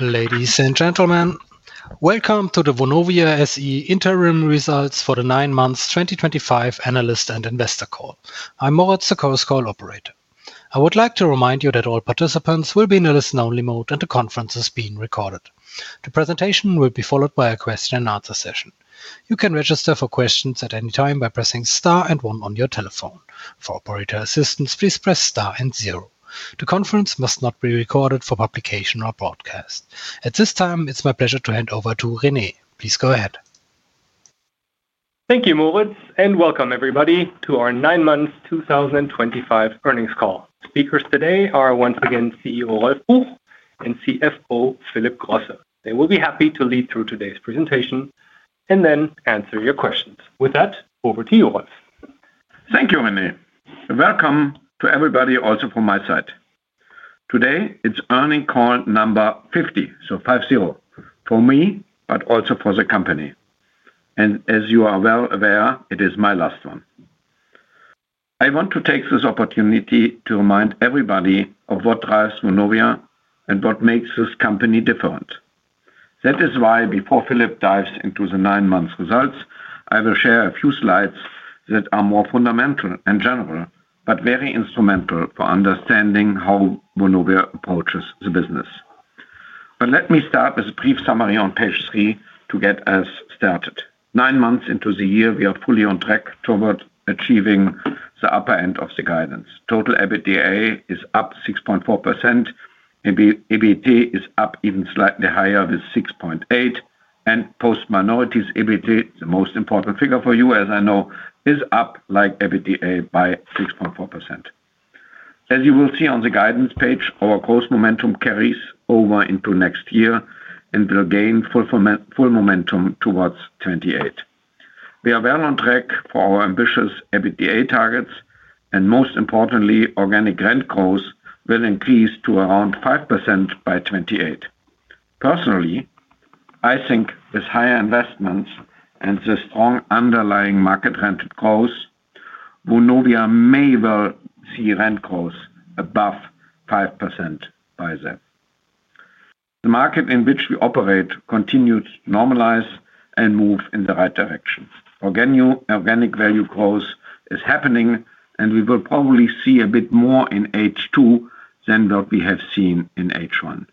Ladies and gentlemen, welcome to the Vonovia SE interim results for the nine months 2025 analyst and investor call. I'm Moritz, the course call operator. I would like to remind you that all participants will be in a listen only mode and the conference is being recorded. The presentation will be followed by a question and answer session. You can register for questions at any time by pressing star and one on your telephone. For operator assistance, please press star and zero. The conference must not be recorded for publication or broadcast at this time. It's my pleasure to hand over to Rene. Please go ahead. Thank you, Moritz. Welcome, everybody, to our nine months 2025 earnings call. Speakers today are once again CEO Rolf Buch and CFO Philip Grosse. They will be happy to lead through. Today's presentation and then answer your questions with that. Over to you, Rolf. Thank you, Rene. Welcome to everybody. Also from my side, today it's earning call number 50, so five zero for me, but also for the company. As you are well aware, it is my last one. I want to take this opportunity to remind everybody of what drives Vonovia and what makes this company different. That is why before Philip dives into the nine month results, I will share a few slides that are more fundamental and general, but very instrumental for understanding how Vonovia approaches the business. Let me start with a brief summary on page three to get us started. Nine months into the year, we are fully on track toward achieving the upper end of the guidance. Total EBITDA is up 6.4%. EBITDA is up even slightly higher with 6.8 and post minorities. EBITDA, the most important figure for you as I know, is up like EBITDA by 6.4%. As you will see on the guidance page, our growth momentum carries over into next year and will gain full momentum towards 2028. We are well on track for our ambitious EBITDA targets. Most importantly, organic rent growth will increase to around 5% by 2028. Personally, I think with higher investments and the strong underlying market rental growth, Vonovia may well see rent growth above 5% by then. The market in which we operate continues to normalize and move in the right direction. Organic value growth is happening and we will probably see a bit more in H2 than what we have seen in H1.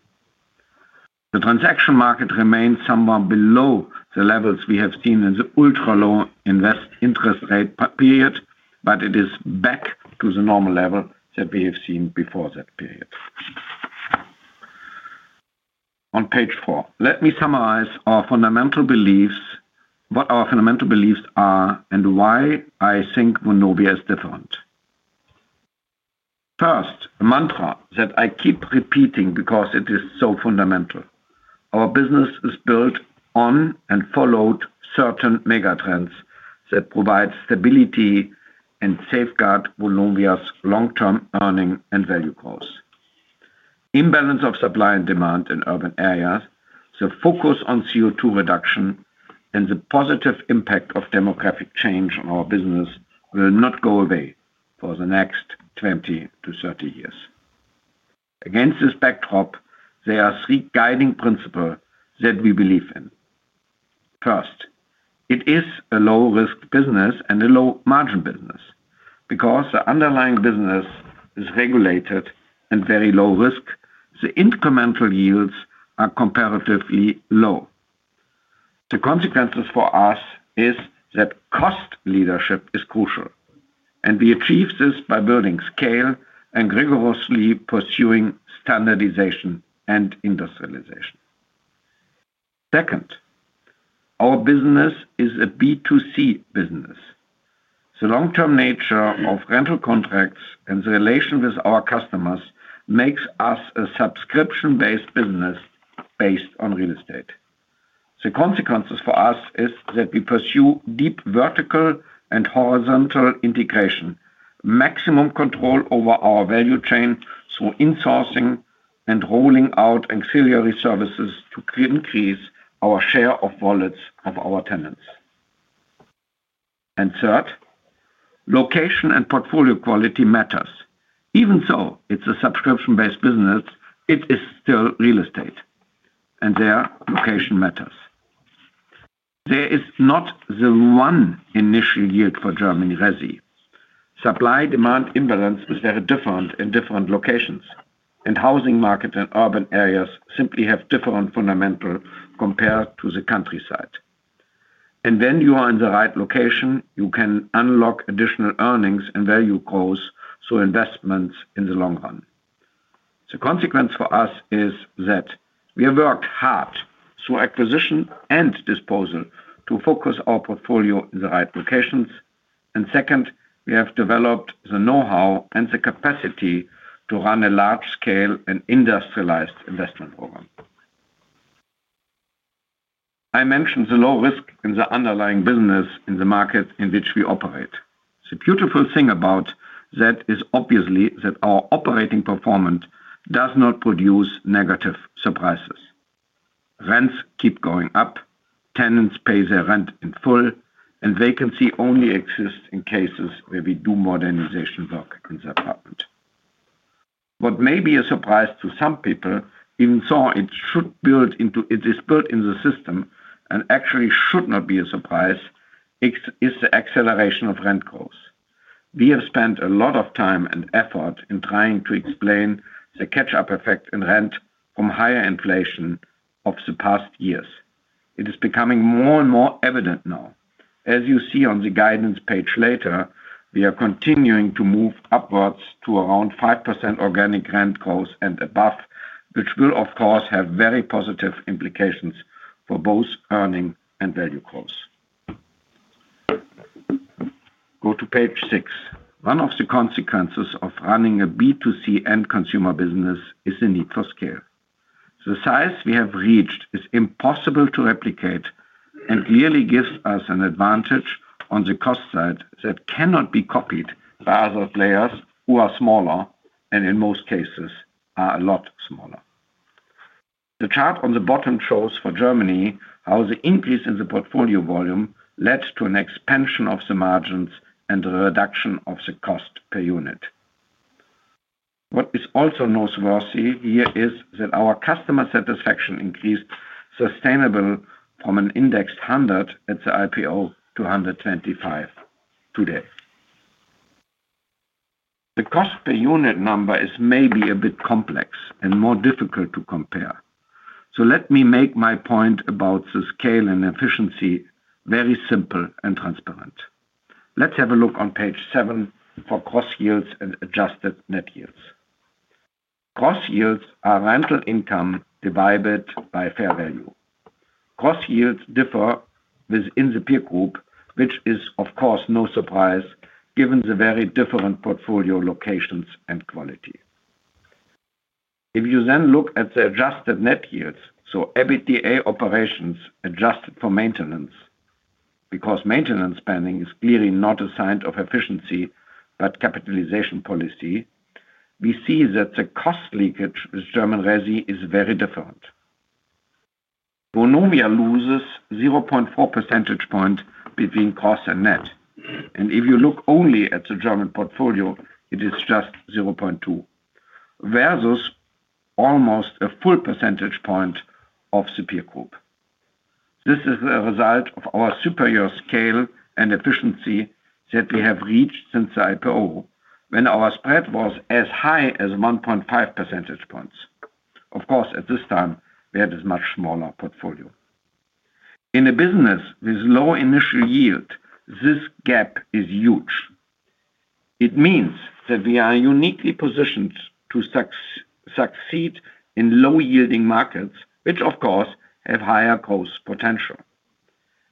The transaction market remains somewhat below the levels we have seen in the ultra low interest rate period. It is back to the normal level that we have seen before that period. On page four, let me summarize our fundamental beliefs, what our fundamental beliefs are and why I think Vonovia is different. First, a mantra that I keep repeating because it is so fundamental. Our business is built on and follows certain megatrends that provide stability and safeguard Vonovia's long-term earning and value growth. Imbalance of supply and demand in urban areas, the focus on CO2 reduction, and the positive impact of demographic change on our business will not go away for the next 20 to 30 years. Against this backdrop, there are three guiding principles that we believe in. First, it is a low risk business and a low margin business. Because the underlying business is regulated and very low risk, the incremental yields are comparatively low. The consequences for us is that cost leadership is crucial, and we achieve this by building scale and rigorously pursuing standardization and industrialization. Second, our business is a B2C business. The long-term nature of rental contracts and the relation with our customers makes us a subscription based business based on real estate. The consequences for us is that we pursue deep vertical and horizontal integration. Maximum control over our value chain through insourcing and rolling out ancillary services to increase our share of wallets of our tenants. Third, location and portfolio quality matters. Even so, it is a subscription based business. It is still real estate, and their location matters. There is not the one initial yield for Germany. Resi supply demand imbalance is very different in different locations and housing market and urban areas simply have different fundamental compared to the countryside. If you are in the right location, you can unlock additional earnings and value growth through investments in the long run. The consequence for us is that we have worked hard through acquisition and disposal to focus our portfolio in the right locations. Second, we have developed the know how and the capacity to run a large scale and industrialized investment program. I mentioned the low risk in the underlying business in the market in which we operate. The beautiful thing about that is obviously that our operating performance does not produce negative surprises. Rents keep going up, tenants pay their rent in full, and vacancy only exists in cases where we do modernization work in the apartment. What may be a surprise to some people, even though it is built into the system and actually should not be a surprise, is the acceleration of rent growth. We have spent a lot of time and effort in trying to explain the catch up effect in rent from higher inflation of the past years. It is becoming more and more evident now. As you see on the guidance page later, we are continuing to move upwards to around 5% organic rent growth and above, which will of course have very positive implications for both earning and value calls. Go to page 6. One of the consequences of running a B2C end consumer business is the need for scale. The size we have reached is impossible to replicate and really gives us an advantage on the cost side that cannot be copied by other players who are smaller and in most cases are a lot smaller. The chart on the bottom shows for Germany how the increase in the portfolio volume led to an expansion of the margins and reduction of the cost per unit. What is also noteworthy here is that our customer satisfaction increased sustainably from an indexed 100 at the IPO to 225 today. The cost per unit number is maybe a bit complex and more difficult to compare. Let me make my point about the scale and efficiency very simple and transparent. Let's have a look on page seven for cost yields and adjusted net yields. Gross yields are rental income divided by fair value. Gross yields differ from within the peer group, which is of course no surprise given the very different portfolio locations and quality. If you then look at the adjusted net yields, so EBITDA operations adjusted for maintenance because maintenance spending is clearly not a sign of efficiency but capitalization policy, we see that the cost leakage with German RESI is very different. Vonovia loses 0.4 percentage point between cost and net and if you look only at the German portfolio it is just 0.2 versus almost a full percentage point of the peer group. This is the result of our superior scale and efficiency that we have reached since the IPO when our spread was as high as 1.5 percentage points. Of course at this time we had this much smaller portfolio. In a business with low initial yield, this gap is huge. It means that we are uniquely positioned to succeed in low-yielding markets, which of course have higher growth potential.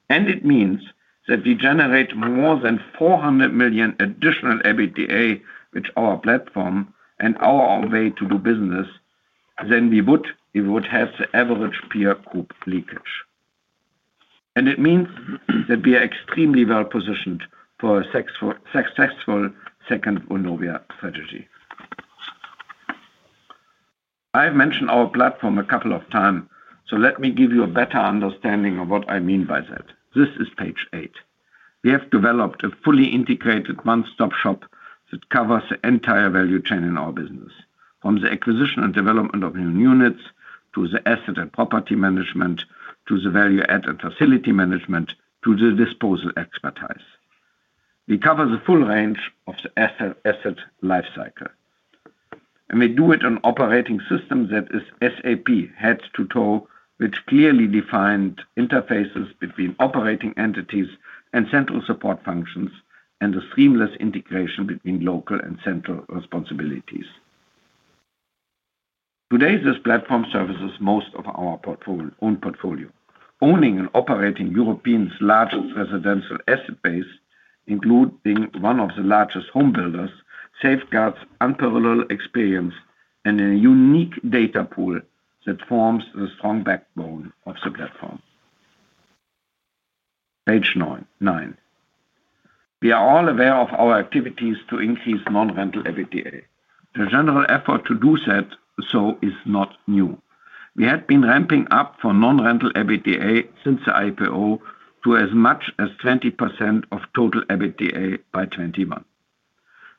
It means that we generate more than 400 million additional EBITDA with our platform and our way to do business than we would have with the average peer group leakage. It means that we are extremely well positioned for a successful second Vonovia strategy. I've mentioned our platform a couple of times, so let me give you a better understanding of what I mean by that. This is page eight. We have developed a fully integrated one-stop shop that covers the entire value chain in our business, from the acquisition and development of new units to the asset and property management to the value-add facility management to the disposal expertise. We cover the full range of the asset life cycle and we do it on operating system that is SAP head to toe, with clearly defined interfaces between operating entities and central support functions and the seamless integration between local and central responsibilities. Today this platform services most of our own portfolio, owning and operating Europe's largest residential asset base, including one of the largest home builders. Safeguards, unparalleled experience, and a unique data pool that forms the strong backbone of the platform. Page 9. We are all aware of our activities to increase non-rental EBITDA. The general effort to do so is not new. We had been ramping up for non-rental EBITDA since the IPO to as much as 20% of total EBITDA by 2021.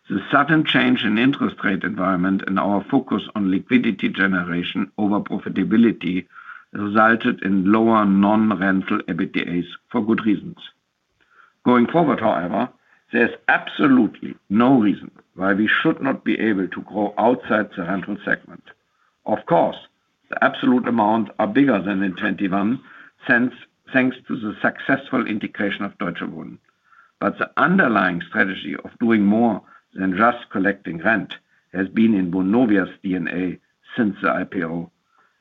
The sudden change in interest rate environment and our focus on liquidity generation over profitability resulted in lower non-rental EBITDA for good reasons. Going forward, however, there is absolutely no reason why we should not be able to grow outside the rental segment. Of course the absolute amounts are bigger than in 2021 thanks to the successful integration of Deutsche Wohnen. But the underlying strategy of doing more than just collecting rent has been in Vonovia's DNA since the IPO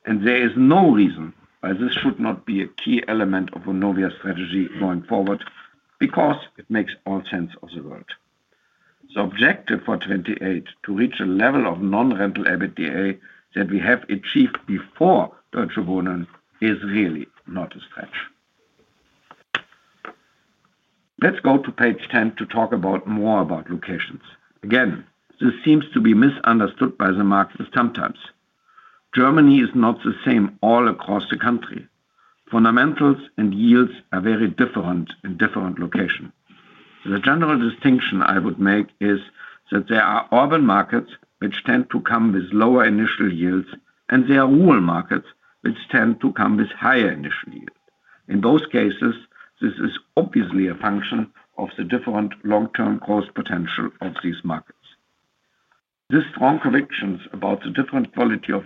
and there is no reason why this should not be a key element of Vonovia's strategy going forward because it makes all sense of the world. The objective for 2028 to reach a level of non-rental EBITDA that we have achieved before Deutsche Wohnen is really not a stretch. Let's go to page 10 to talk more about locations. Again, this seems to be misunderstood by the Marxists. Sometimes Germany is not the same all across the country. Fundamentals and yields are very different in different locations. The general distinction I would make is that there are urban markets which tend to come with lower initial yields and there are rural markets which tend to come with higher initial yield. In both cases this is obviously a function of the different long-term growth potential of these markets. This strong conviction about the different quality of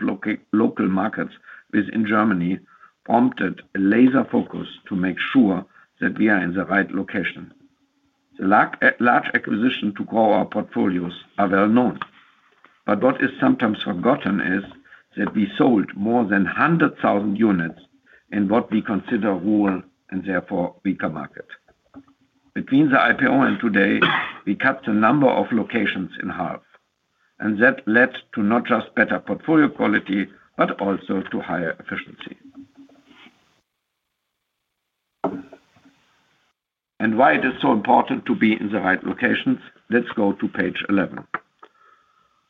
local markets within Germany prompted a laser focus to make sure that we are in the right location. The large acquisitions to grow our portfolios are well known, but what is sometimes forgotten is that we sold more than 100,000 units in what we consider rural and therefore weaker markets between the IPO and today. We cut the number of locations in half and that led to not just better portfolio quality but also to higher efficiency and why it is so important to be in the right locations. Let's go to page 11.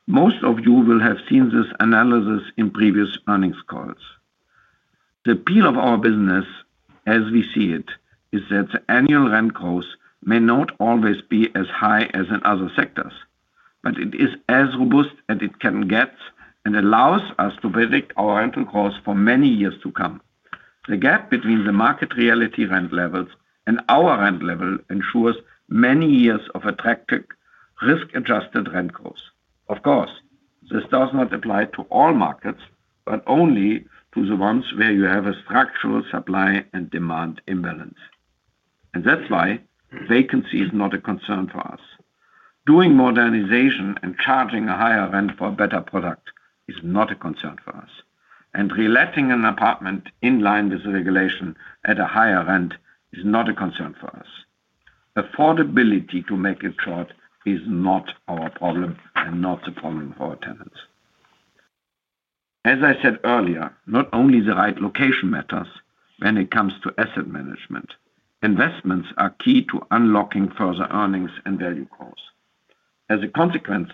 Most of you will have seen this analysis in previous earnings calls. The appeal of our business as we see it is that the annual rent growth may not always be as high as in other sectors, but it is as robust as it can get and allows us to predict our rental growth for many years to come. The gap between the market reality rent levels and our rent level ensures that many years of attractive risk-adjusted rent growth. Of course this does not apply to all markets, but only to the ones where you have a structural supply and demand imbalance. That is why vacancy is not a concern for us. Doing modernization and charging a higher rent for a better product is not a concern for us. Reletting an apartment in line with regulation at a higher rent is not a concern for us. Affordability, to make it short, is not our problem and not the problem for tenants. As I said earlier, not only the right location matters when it comes to asset management. Investments are key to unlocking further earnings and value growth. As a consequence,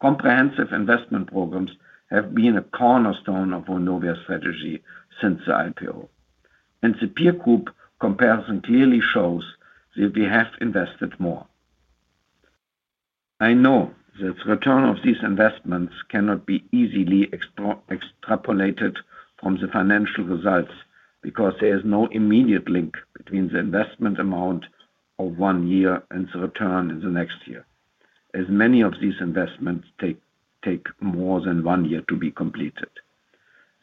comprehensive investment programs have been a cornerstone of Vonovia's strategy since the IPO and the peer group comparison clearly shows that we have invested more. I know that return of these investments cannot be easily extrapolated from the financial results because there is no immediate link between the investment amount of one year and the return in the next year as many of these investments take more than one year to be completed.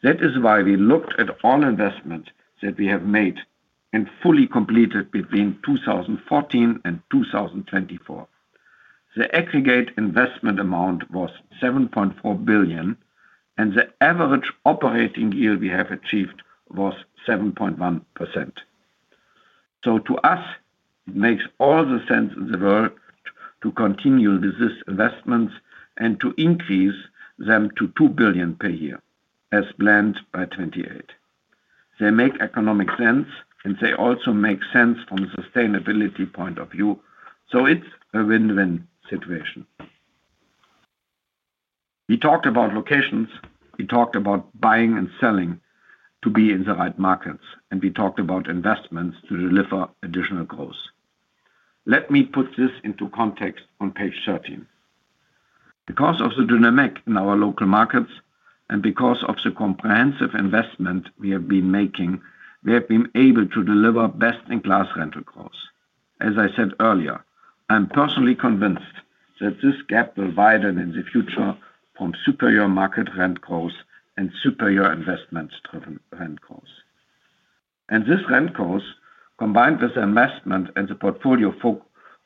That is why we looked at all investments that we have made and fully completed between 2014 and 2024. The aggregate investment amount was 7.4 billion and the average operating yield we have achieved was 7.1%. To us it makes all the sense in the world to continue this investment and to increase them to 2 billion per year as planned by 2028. They make economic sense and they also make sense from sustainability point of view. It's a win win situation. We talked about locations, we talked about buying and selling to be in the right markets, and we talked about investments to deliver additional growth. Let me put this into context on page 13. Because of the dynamic in our local markets and because of the comprehensive investment we have been making, we have been able to deliver best-in-class rental growth. As I said earlier, I am personally convinced that this gap will widen in the future from superior market rent growth and superior investments-driven rent growth. This rent growth combined with investment in the portfolio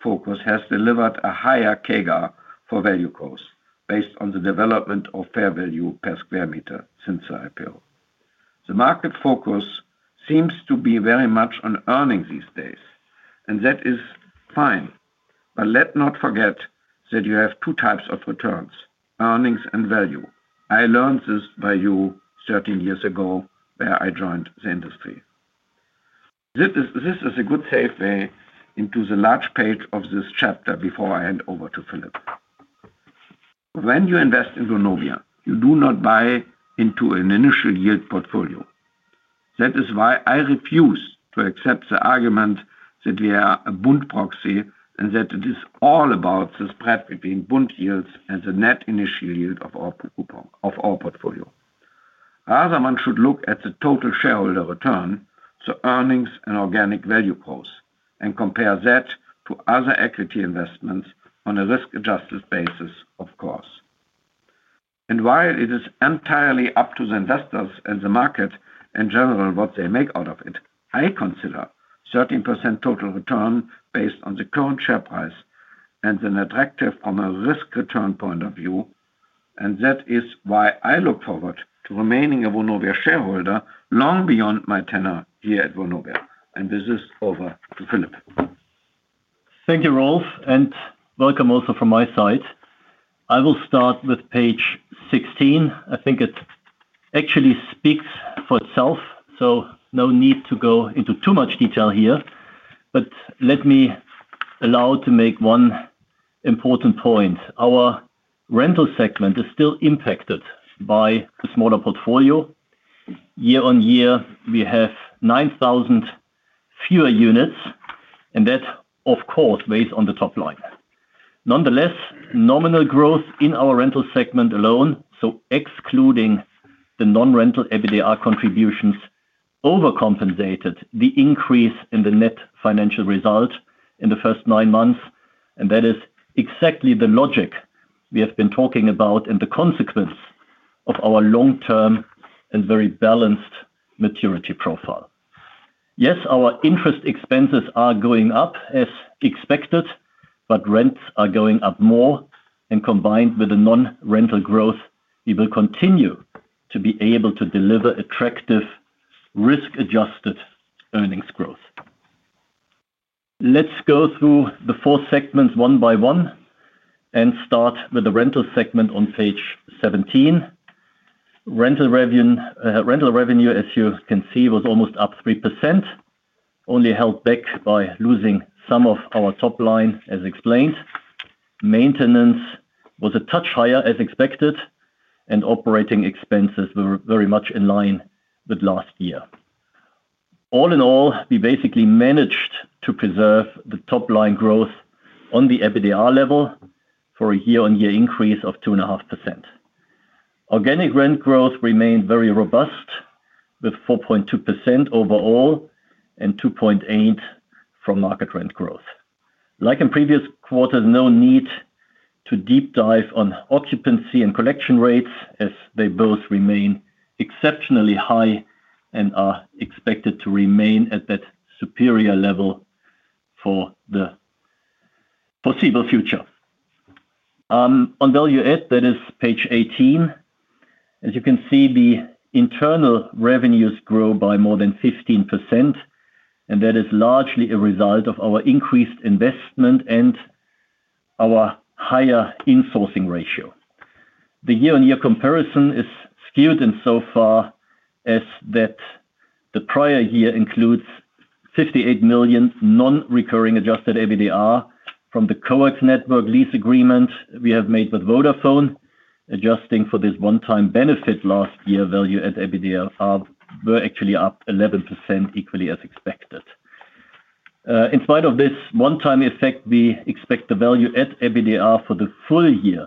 focus has delivered a higher CAGR for value growth based on the development of fair value per square meter since the IPO. The market focus seems to be very much on earning these days, and that is fine. Let us not forget that you have two types of returns, earnings and value. I learned this by you 13 years ago when I joined the industry. This is a good segue into the large page of this chapter before I hand over to Philip. When you invest in Vonovia, you do not buy into an initial yield portfolio. That is why I refuse to accept the argument that we are a bond proxy and that it is all about the spread between bond yields and the net initial yield of our portfolio. Rather, one should look at the total shareholder return, the earnings and organic value growth and compare that to other equity investments on a risk-adjusted basis of course. While it is entirely up to the investors and the market in general what they make out of it, I consider 13% total return based on the current share price an attractive from a risk return point of view. That is why I look forward to remaining a Vonovia shareholder long beyond my tenure here at Vonovia. With this, over to Philip. Thank you, Rolf, and welcome. Also from my side, I will start with page 16. I think it actually speaks for itself, so no need to go into too much detail here, but let me allow to make one important point. Our rental segment is still impacted by the smaller portfolio. Year on year, we have 9,000 fewer units, and that of course weighs on the top line. Nonetheless, nominal growth in our rental segment alone, so excluding the non-rental EBITDA contributions, overcompensated the increase in the net financial result in the first nine months. That is exactly the logic we have been talking about and the consequence of our long-term and very balanced maturity profile. Yes, our interest expenses are going up as expected, but rents are going up more and combined with the non rental growth we will continue to be able to deliver attractive risk-adjusted earnings growth. Let's go through the four segments one by one and start with the rental segment on page 17. Rental revenue as you can see was almost up 3%, only held back by losing some of our top line as explained. Maintenance was a touch higher as expected. Operating expenses were very much in line with last year. All in all we basically managed to preserve the top line growth on the EBITDA level for a year-on-year increase of 2.5%. Organic rent growth remained very robust with 4.2% overall and 2.8% from market rent growth. Like in previous quarters, no need to deep dive on occupancy and collection rates as they both remain exceptionally high and are expected to remain at that superior level for the foreseeable future. On value add, that is page 18. As you can see, the internal revenues grow by more than 15% and that is largely a result of our increased investment and our higher insourcing ratio. The year on year comparison is skewed insofar as that the prior year includes 58 million non-recurring Adjusted EBITDA from the coax network lease agreement we have made with Vodafone. Adjusting for this one-time benefit, last year value add EBITDA were actually up 11%. Equally as expected, in spite of this one-time effect, we expect the value-add EBITDA for the full year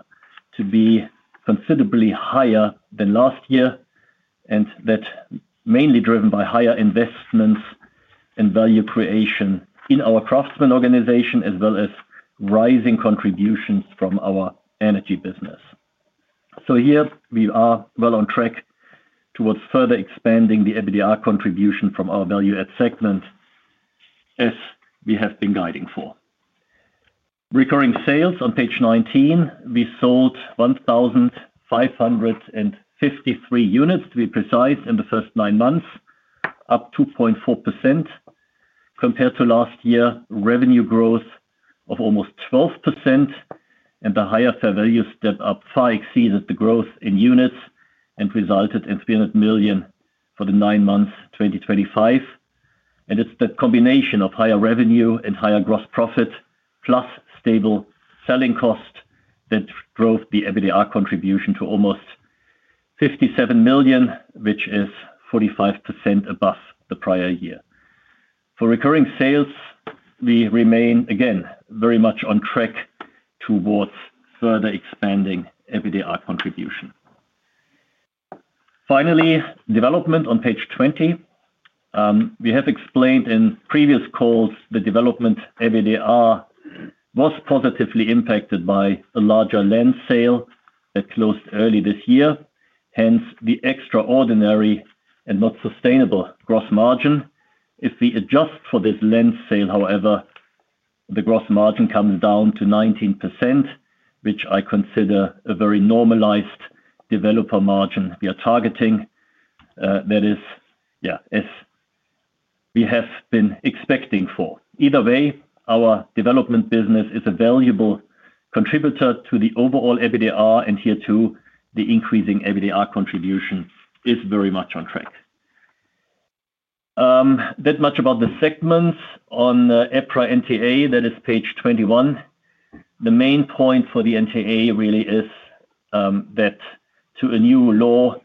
to be considerably higher than last year and that mainly driven by higher investments and value creation in our Craftsman organization as well as rising contributions from our energy business. Here we are well on track towards further expanding the EBITDA contribution from our value-add segment as we have been guiding for recurring sales. On page 19, we sold 1,553 units to be precise in the first nine months, up 2.4% compared to last year, revenue growth of almost 12%, and the higher fair value step up far exceeded the growth in units and resulted in 300 million for the nine months 2025. It is the combination of higher revenue and higher gross profit plus stable selling cost that drove the EBITDA contribution to almost 57 million, which is 45% above the prior year for recurring sales. We remain again very much on track towards further expanding EBITDA contribution. Finally, development on page 20. We have explained in previous calls the development EBITDA was positively impacted by a larger land sale that closed early this year, hence the extraordinary and not sustainable gross margin. If we adjust for this land sale, however, the gross margin comes down to 19% which I consider a very normalized developer margin we are targeting. That is as we have been expecting for either way our development business is a valuable contributor to the overall EBITDA. Here too, the increasing EBITDA contribution is very much on track. That much about the segments. On EPRA NTA, that is page 21, the main point for the NTA really is that due to a new law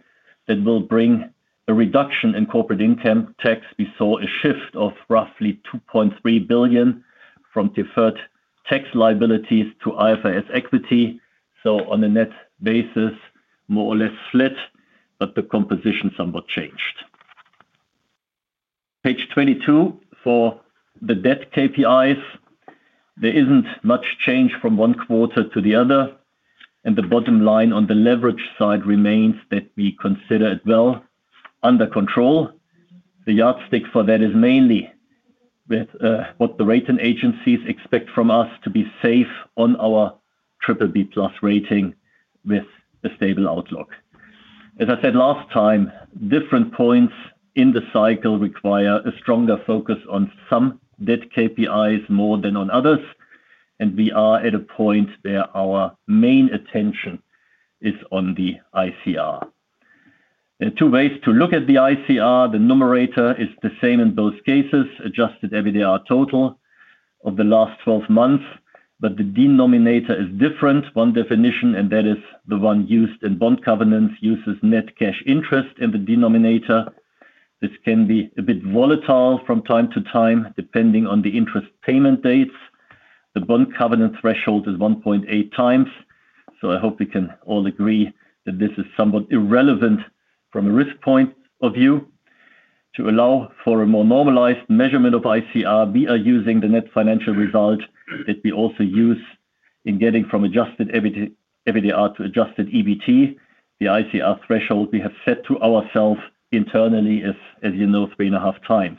that will bring a reduction in corporate income tax, we saw a shift of roughly 2.3 billion from deferred tax liabilities to IFRS equity. On a net basis more or less flat, but the composition somewhat changed. Page 22 for the debt KPIs, there is not much change from one quarter to the other, and the bottom line on the leverage side remains that we consider it well under control. The yardstick for that is mainly what the rating agencies expect from us to be safe on our BBB rating with a stable outlook. As I said last time, different points in the cycle require a stronger focus on some debt KPIs more than on others, and we are at a point where our main attention is on the ICR. Two ways to look at the ICR: the numerator is the same in both cases, adjusted EBITDA total of the last 12 months, but the denominator is different. One definition, and that is the one used in bond covenants, uses net cash interest in the denominator. This can be a bit volatile from time to time depending on the interest payment dates. The bond covenant threshold is 1.8x, so I hope we can all agree that this is somewhat irrelevant from a risk point of view. To allow for a more normalized measurement of ICR, we are using the net financial result that we also use in getting from Adjusted EBITDA to adjusted EBT. The ICR threshold we have set to ourselves internally is, as you know, 3.5x.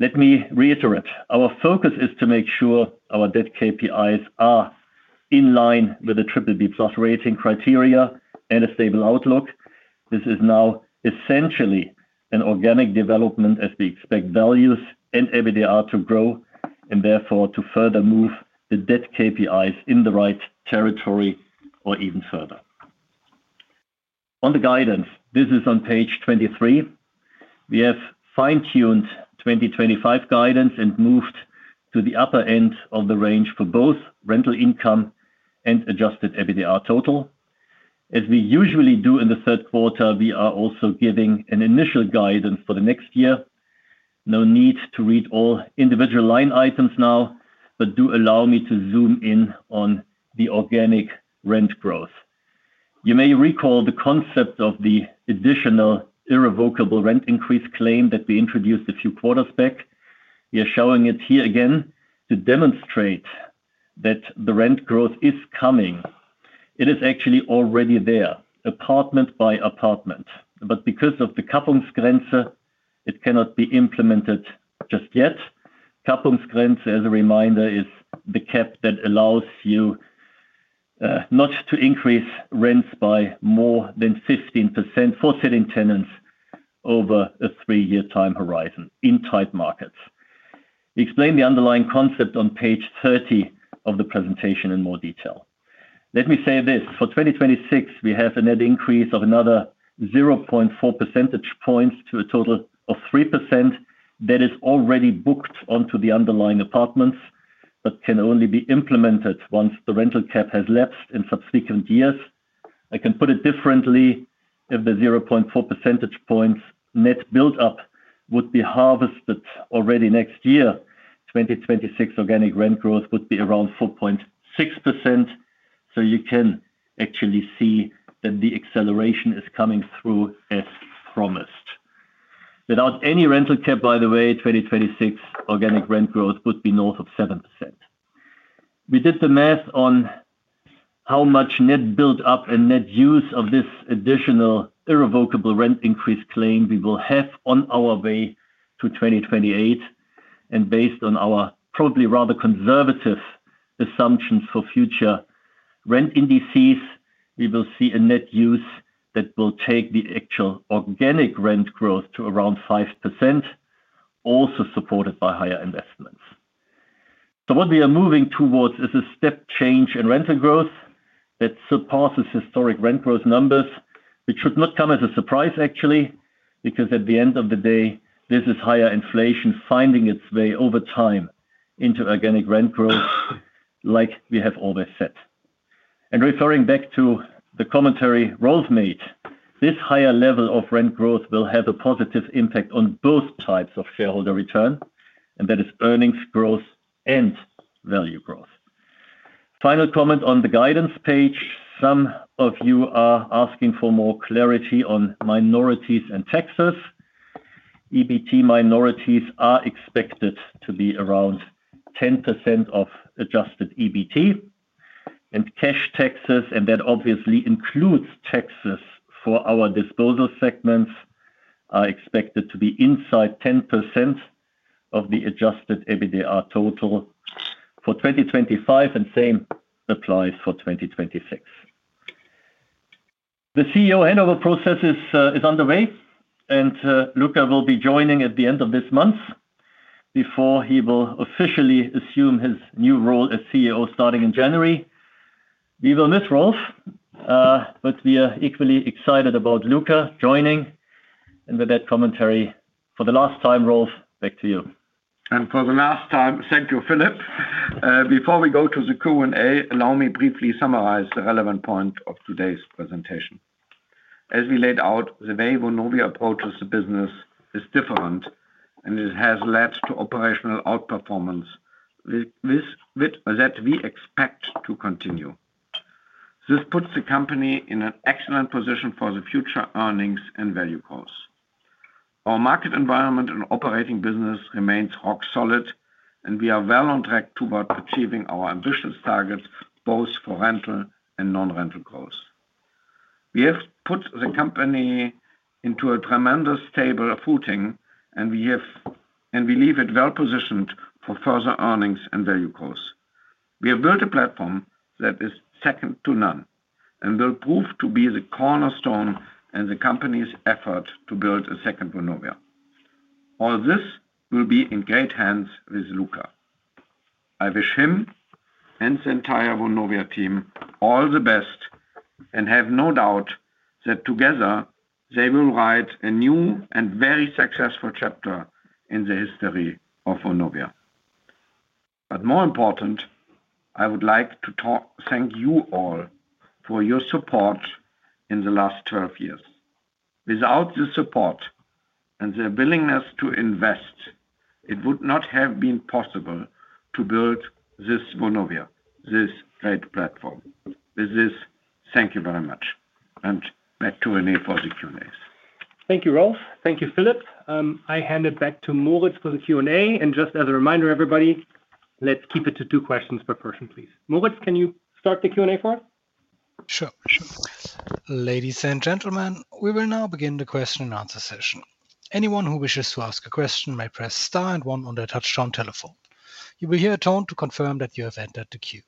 Let me reiterate, our focus is to make sure our debt KPIs are in line with the BBB rating criteria and a stable outlook. This is now essentially an organic development as we expect values and EBITDA to grow and therefore to further move the debt KPIs in the right territory or even further on the guidance. This is on page 23. We have fine-tuned 2025 guidance and moved to the upper end of the range for both rental income and Adjusted EBITDA total as we usually do in the third quarter. We are also giving an initial guidance for the next year. No need to read all individual line items now, but do allow me to zoom in on the organic rent growth. You may recall the concept of the additional irrevocable rent increase claim that we introduced a few quarters back. We are showing it here again to demonstrate that the rent growth is coming. It is actually already there apartment by apartment, but because of the Kappungsgrenze it cannot be implemented just yet. Kappungsgrenze as a reminder is the cap that allows you not to increase rents by more than 15% for sitting tenants over a three year time horizon in tight markets. Explain the underlying concept on page 30 of the presentation in more detail. Let me say this, for 2026 we have a net increase of another 0.4 percentage points to a total of 3% that is already booked onto the underlying apartments but can only be implemented once the rental cap has lapsed in subsequent years. I can put it differently. If the 0.4 percentage points net build up would be harvested already next year, 2026 organic rent growth would be around 4.6%. You can actually see that the acceleration is coming through as promised without any rental cap. By the way, 2026 organic rent growth would be north of 7%. We did the math on how much net build up and net use of this additional irrevocable rent increase claim we will have on our way to 2028, and based on our probably rather conservative assumptions for future rent indices, we will see a net use that will take the actual organic rent growth to around 5%, also supported by higher investments. What we are moving towards is a step change in rental growth that surpasses historic rent growth numbers, which should not come as a surprise actually, because at the end of the day this is higher inflation finding its way over time into organic rent growth. Like we have always said and referring back to the commentary Rolf made, this higher level of rent growth will have a positive impact on both types of shareholder return and that is earnings growth and value growth. Final comment on the guidance page, some of you are asking for more clarity on minorities and taxes. EBT minorities are expected to be around 10% of adjusted EBT and cash taxes, and that obviously includes taxes for our disposal segments, are expected to be inside 10% of the Adjusted EBITDA total for 2025 and same applies for 2026. The CEO handover process is underway and Luca will be joining at the end of this month before he will officially assume his new role as CEO starting in January. We will miss Rolf, but we are equally excited about Luca joining and with that commentary for the last time. Rolf, back to you and for the last time. Thank you, Philip. Before we go to the Q&A, allow me to briefly summarize the relevant point of the presentation. As we laid out, the way Vonovia approaches the business is different and it has led to operational outperformance that we expect to continue. This puts the company in an excellent position for future earnings and value growth. Our market environment and operating business remain rock solid and we are well on track toward achieving our ambitious targets both for rental and non-rental growth. We have put the company into a tremendous stable footing and we leave it well positioned for further earnings and value growth. We have built a platform that is second to none and will prove to be the cornerstone in the company's effort to build a second Vonovia. All this will be in great hands with Luca. I wish him and the entire Vonovia team all the best and have no doubt that together they will write a new and very successful chapter in the history of Vonovia. More important, I would like to thank you all for your support in the last 12 years. Without your support and their willingness to invest, it would not have been possible to build this Vonovia, this great platform with this. Thank you very much. Back to Rene for the Q&A. Thank you, Rolf. Thank you, Philip. I hand it back to Moritz for the Q&A. Just as a reminder, everybody, let's. Keep it to two questions per person, please. Moritz, can you start the Q&A for us? Sure. Ladies and gentlemen, we will now begin the question and answer session. Anyone who wishes to ask a question may press star and one on the touch-tone telephone. You will hear a tone to confirm that you have entered the queue.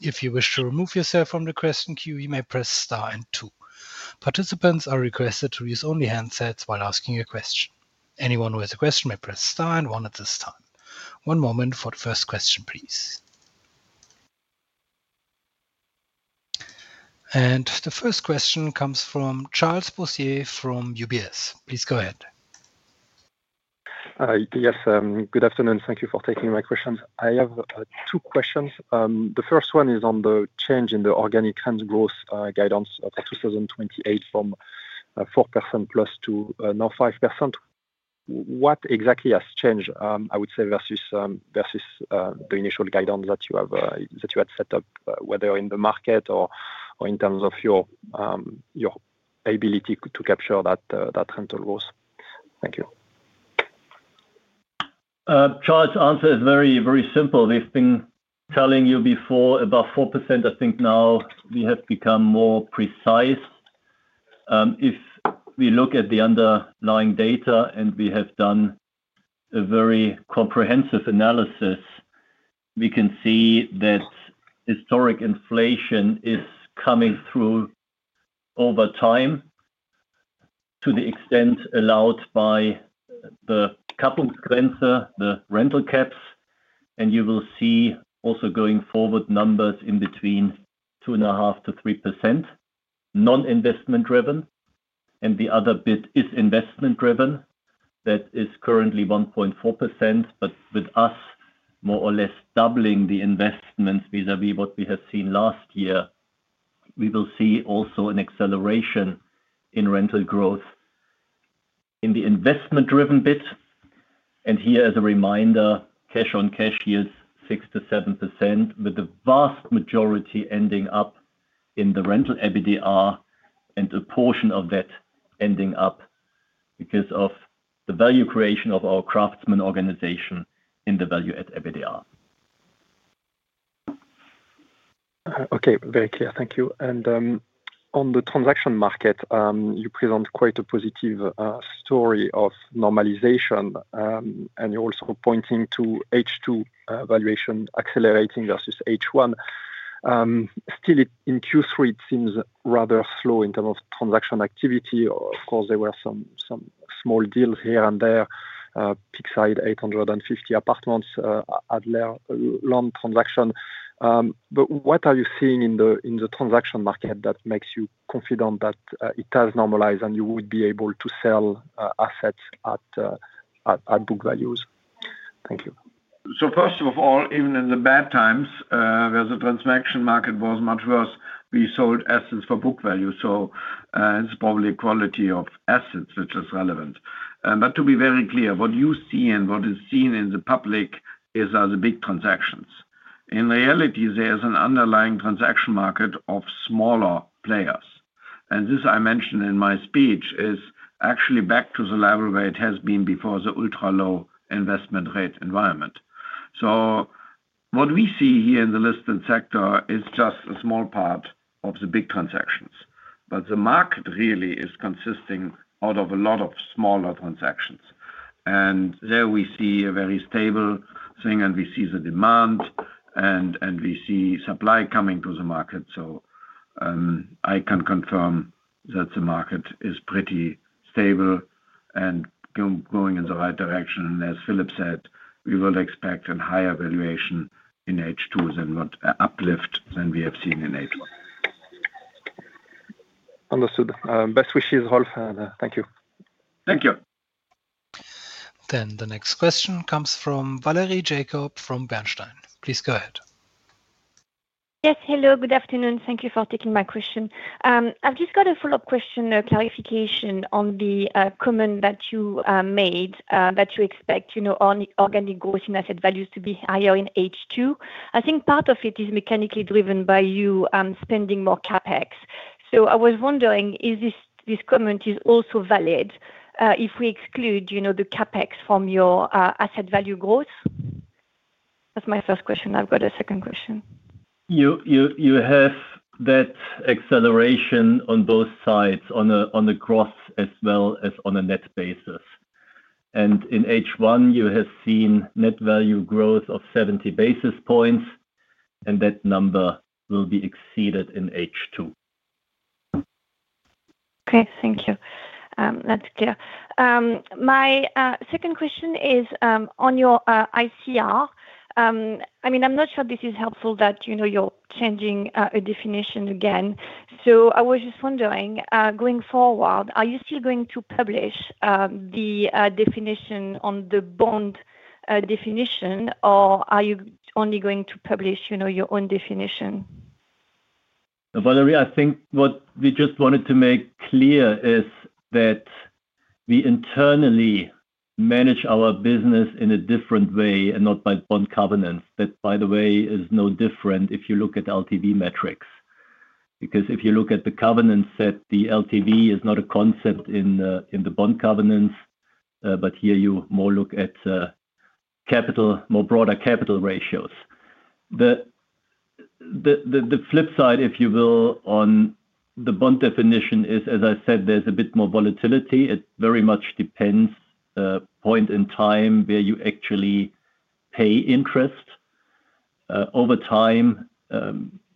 If you wish to remove yourself from the question queue, you may press star and two. Participants are requested to use only handsets while asking a question. Anyone who has a question may press star and one at this time. One moment for the first question, please. The first question comes from Charles Boissier from UBS. Please go ahead. Yes, good afternoon. Thank you for taking my questions. I have two questions. The first one is on the change in the organic rent growth guidance for 2028 from 4% plus to now 5%. What exactly has changed, I would say, versus the initial guidance that you had set up, whether in the market or in terms of your, your ability to capture that rental growth. Thank you. Charles. Answer is very, very simple. We've been telling you before about 4%. I think now we have become more precise. If we look at the underlying data and we have done a very comprehensive analysis, we can see that historic inflation is coming through over time to the extent allowed by the rental caps. You will see also going forward, numbers in between 2.5%-3% non investment driven. The other bit is investment driven. That is currently 1.4%. With us more or less doubling the investments vis-à-vis what we have seen last year, we will see also an acceleration in rental growth in the investment driven bit. Here as a reminder, cash on cash yields 6%-7% with the vast majority ending up in the rental EBITDA and a portion of that ending up because of the value creation of our Craftsman organization in the value-add EBITDA. Okay, very clear, thank you. On the transaction market, you present quite a positive story of normalization. You are also pointing to H2 valuation accelerating versus H1. Still, in Q3, it seems rather slow in terms of transaction activity. Of course, there were some small deals here and there: Peakside, 850 apartments, Adler loan transaction. What are you seeing in the transaction market that makes you confident that it has normalized and you would be able to sell assets at book values? Thank you. First of all, even in the bad times where the transaction market was much worse, we sold assets for book value. It is probably quality of assets which is relevant. To be very clear, what you see and what is seen in the public is the big transactions. In reality, there is an underlying transaction market of smaller players. This I mentioned in my speech is actually back to the level where it has been before, the ultra low investment rate environment. What we see here in the listed sector is just a small part of the big transactions, but the market really is consisting of a lot of smaller transactions. There we see a very stable thing and we see the demand and we see supply coming to the market. I can confirm that the market is pretty stable and going in the right direction. As Philip said, we will expect a higher valuation in H2 than what uplift than we have seen in H. Understood. Best wishes, Rolf. Thank you. Thank you. The next question comes from Valerie Jacob from Bernstein. Please go ahead. Yes, hello, good afternoon. Thank you for taking my question. I've just got a follow-up question, clarification on the comment that you made that you expect organic growth in asset values to be higher in H2. I think part of it is mechanically driven by you spending more CapEx. I was wondering, is this comment also valid if we exclude the CapEx from your asset value growth? That's my first question. I've got a second question. You have that acceleration on both sides on the gross as well as on a net basis. In H1 you have seen net value growth of 70 basis points and that number will be exceeded in H2. Okay, thank you, that's clear. My second question is on your ICR. I mean, I'm not sure this is helpful that you know, you're changing a definition again. I was just wondering, going forward, are you still going to publish the definition on the bond definition or are you only going to publish, you know, your own definition? Valerie, I think what we just wanted to make clear is that we internally manage our business in a different way and not by bond covenants. That by the way is no different if you look at LTV metrics. Because if you look at the covenants that the LTV is not a concept in the bond covenants. Here you more look at capital, more broader capital ratios. The flip side, if you will, on the bond definition is, as I said, there is a bit more volatility. It very much depends point in time where you actually pay interest over time.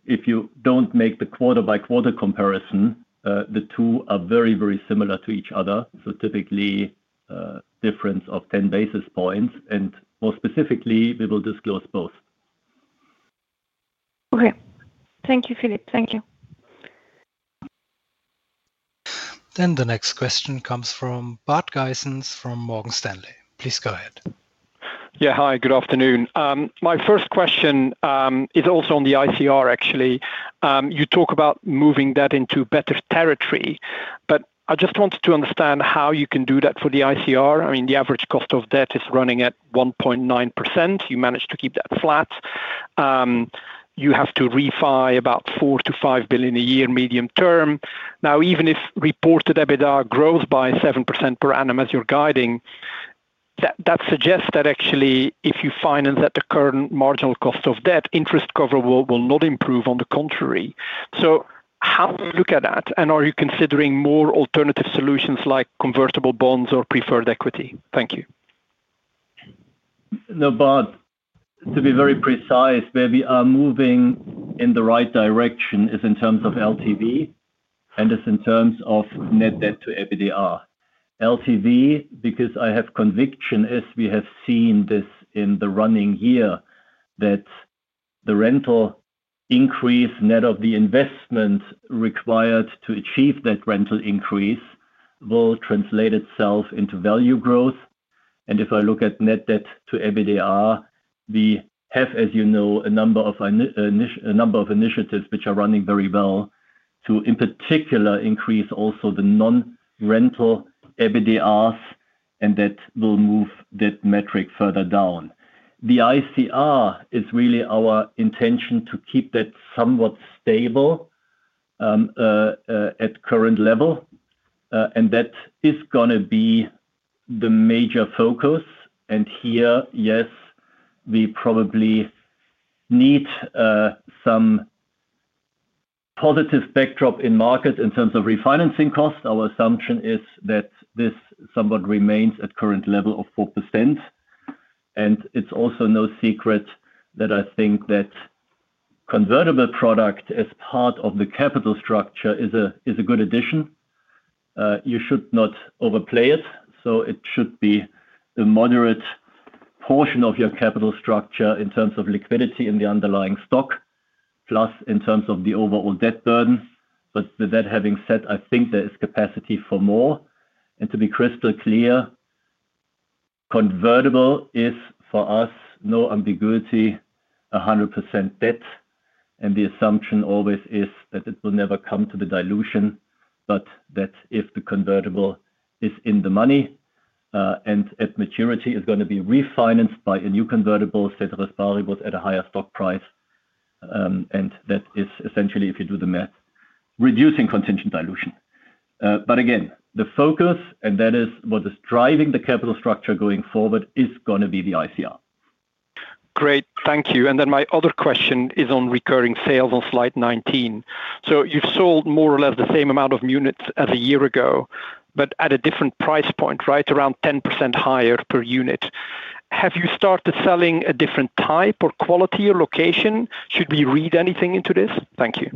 If you do not make the quarter by quarter comparison, the two are very, very similar to each other. Typically difference of 10 basis points and more specifically, we will disclose both. Okay, thank you, Philip. Thank you. The next question comes from Bart Gysens from Morgan Stanley. Please go ahead. Yeah, hi, good afternoon. My first question is also on the ICR. Actually you talk about moving that into better territory, but I just wanted to understand how you can do that for the ICR. I mean the average cost of debt. Is running at 1.9%. You manage to keep that flat, you have to refi about 4 billion-5 billion a year medium term. Now, even if reported EBITDA grows by 7% per annum, as you're guiding, that suggests that actually if you finance at the current marginal cost of debt, interest cover will not improve. On the contrary. How to look at that, and are you considering more alternative solutions, like? Convertible bonds or preferred equity? Thank you. No. To be very precise, where we are moving in the right direction is in terms of LTV and in terms of net debt to EBITDA LTV. I have conviction, as we have seen this in the running year, that the rental increase net of the investment required to achieve that rental increase will translate itself into value growth. If I look at net debt to EBITDA, we have, as you know, a number of initiatives which are running very well to in particular increase also the non-rental EBITDA. That will move that metric further down. The ICR is really our intention to keep that somewhat stable at current level. That is going to be the major focus. Here, yes, we probably need some positive backdrop in market in terms of refinancing costs. Our assumption is that this somewhat remains at current level of 4%. It's also no secret that I think that convertible product as part of the capital structure is a good addition. You should not overplay it. It should be a moderate portion of your capital structure in terms of liquidity in the underlying stock, plus in terms of the overall debt burden. With that, having said, I think there is capacity for more. To be crystal clear, convertible is for us no ambiguity, 100% debt. The assumption always is that it will never come to the dilution, but that if the convertible is in the money and at maturity is going to be refinanced by a new convertible, see the sparrows at a higher stock price. That is essentially, if you do the math, reducing contingent dilution. Again the focus. That is what is driving the capital structure going forward. It is going to be the ICR. Great, thank you. Then my other question is on. Recurring sales on slide 19. You've sold more or less the. Same amount of units as a year ago, but at a different price point, right around 10% higher per unit. Have you started selling a different type or quality or location? Should we read anything into this? Thank you.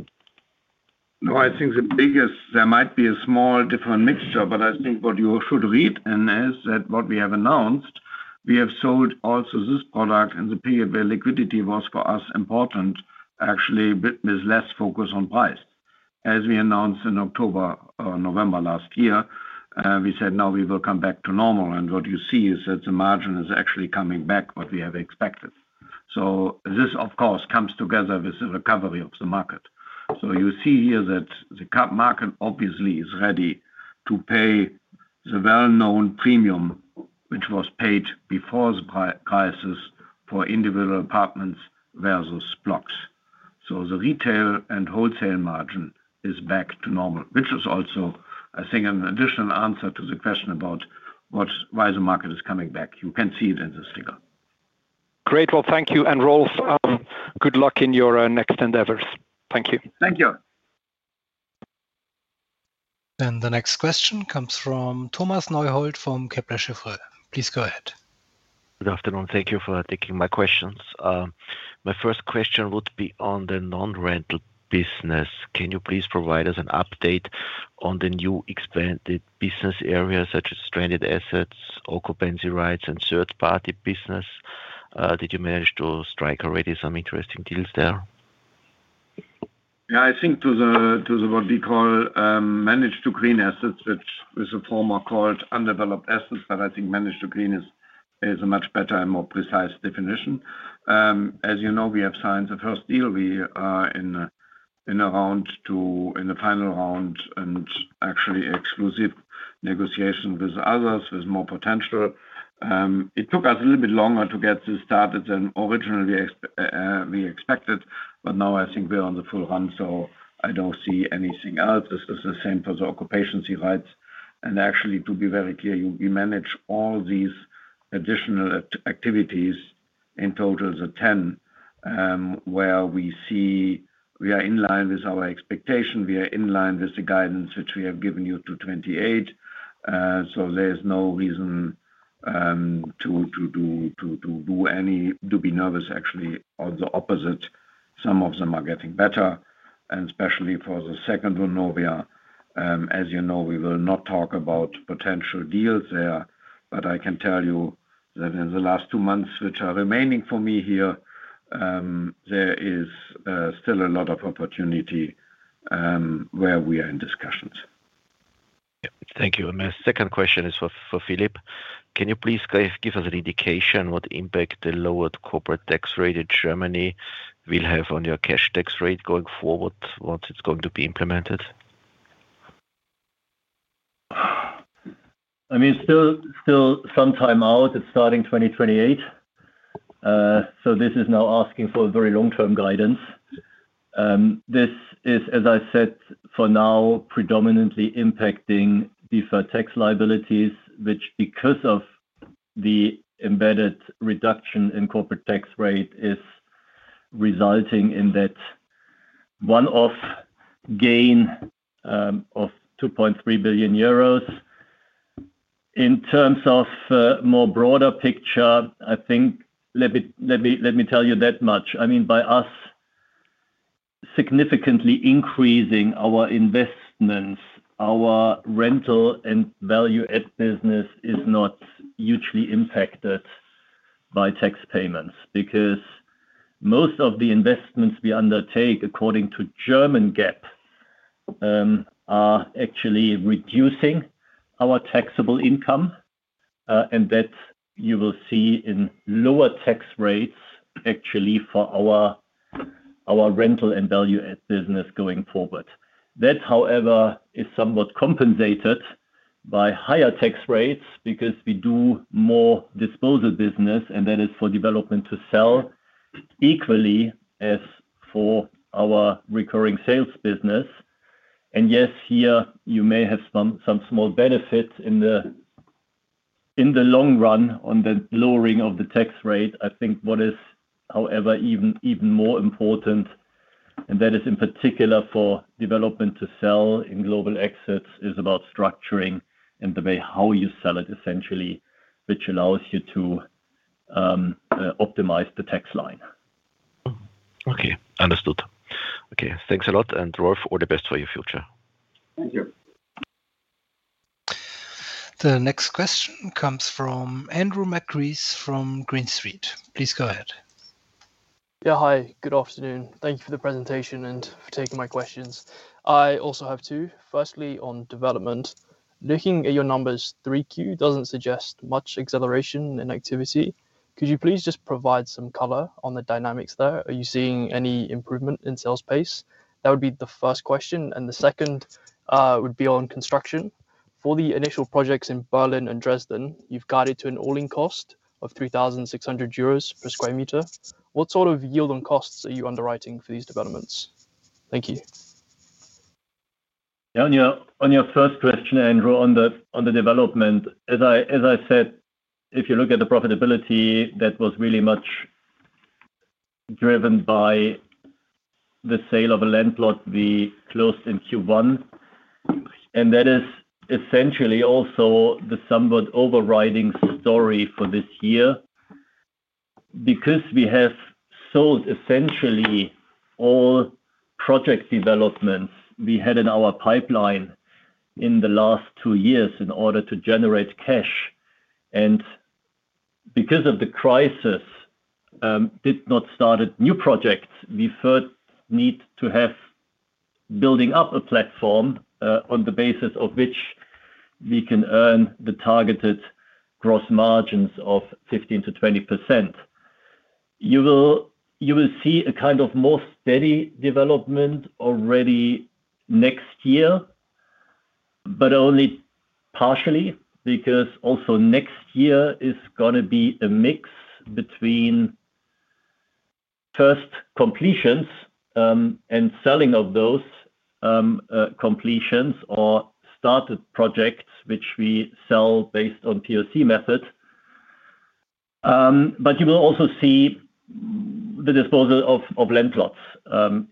No, I think the biggest, there might be a small different mixture. I think what you should read in is that what we have announced, we have sold also this product in the period where liquidity was for us important actually with less focus on price. As we announced in October or November last year, we said now we will come back to normal. What you see is that the margin is actually coming back what we have expected. This of course comes together with the recovery of the market. You see here that the market obviously is ready to pay the well known premium which was paid before the crisis for individual apartments versus blocks. The retail and wholesale margin is back to normal. Which is also, I think, an additional answer to the question about why the market is coming back. You can see it in this figure. Great. Thank you and Rolf, good luck in your next endeavors. Thank you. Thank you. The next question comes from Thomas Neuhold from Kepler Cheuvreux. Please go ahead. Good afternoon. Thank you for taking my questions. My first question would be on the non rental business. Can you please provide us an update? On the new expanded business areas such as stranded assets, occupancy rights, and third party business, did you manage to strike already some interesting deals there? Yeah, I think to what we call manage to clean assets, which is a former called undeveloped assets. I think manage to clean is a much better and more precise definition. As you know, we have signed the first deal, we are in round two in the final round and actually exclusive negotiation with others with more potential. It took us a little bit longer to get this started than originally we expected. Now I think we're on the full run. I do not see anything else. This is the same for the occupation rights. Actually, to be very clear, you manage all these additional activities. In total the 10 where we see we are in line with our expectation, we are in line with the guidance which we have given you to 2028. There is no reason to be nervous. Actually, on the opposite, some of them are getting better. Especially for the second Vonovia, as you know, we will not talk about potential deals there. I can tell you that in the last two months which are remaining for me here, there is still a lot of opportunity where we are in discussions. Thank you. Second question is for Philip. Can you please give us an indication. What impact the lowered corporate tax rate? In Germany will have on your cash. Tax rate going forward once it's going to be implemented? I mean, still some time out. It's starting 2028. This is now asking for very long-term guidance. This is, as I said for now, predominantly impacting deferred tax liabilities which because of the embedded reduction in corporate tax rate is resulting in that one off gain of 2.3 billion euros. In terms of more broader picture, I think, let me tell you that much, I mean by us significantly increasing our investments, our rental and value add business is not hugely impacted by tax payments because most of the investments we undertake according to German GAAP are actually reducing our taxable income. That you will see in lower tax rates actually for our rental and value add business going forward. That however is somewhat compensated by higher tax rates because we do more disposal business and that is for development to sell equally as for our recurring sales business. Yes, here you may have some small benefits in the long run on the lowering of the tax rate. I think what is however, even more important, and that is in particular for development to sell in global exits, is about structuring and the way how you sell it, essentially which allows you to optimize the tax line. Okay, understood. Okay, thanks a lot. Rolf, all the best for your future. Thank you. The next question comes from Andrew McCreath from Green Street. Please go ahead. Yeah, hi, good afternoon. Thank you for the presentation and for taking my questions. I also have two. Firstly on development, looking at your numbers, 3Q does not suggest much acceleration in activity. Could you please just provide some color on the dynamics there? Are you seeing any improvement in sales pace? That would be the first question. And the second would be on construction for the initial projects in Berlin and Dresden, you have guided to an all-in cost of 3,600 euros per sq m. What sort of yield on costs are you underwriting for these developments? Thank you. On your first question, Andrew, on the development, as I said, if you look at the profitability that was really much driven by the sale of a landlord. We closed in Q1 and that is essentially also the somewhat overriding story for this year because we have sold essentially all project developments we had in our pipeline in the last two years in order to generate cash and because of the crisis did not start a new project we first need to have building up a platform on the basis of which we can earn the targeted gross margins of 15%-20%. You will see a kind of more steady development already next year, but only partially because also next year is going to be a mix between first completions and selling of those completions or started projects which we sell based on POC method. You will also see the disposal of land plots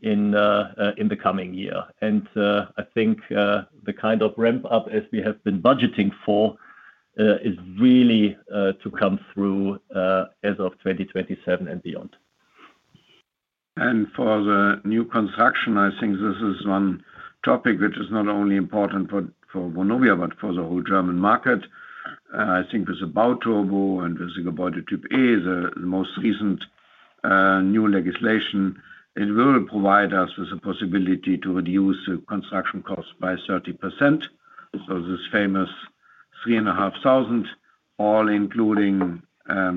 in the coming year. I think the kind of ramp up as we have been budgeting for is really to come through as of 2027 and beyond. For the new construction, I think this is one topic which is not only important for Vonovia, but for the whole German market. I think with the Bauturbo and with the most recent new legislation, it will provide us with a possibility to reduce construction costs by 30%. This famous 3,500 all-in,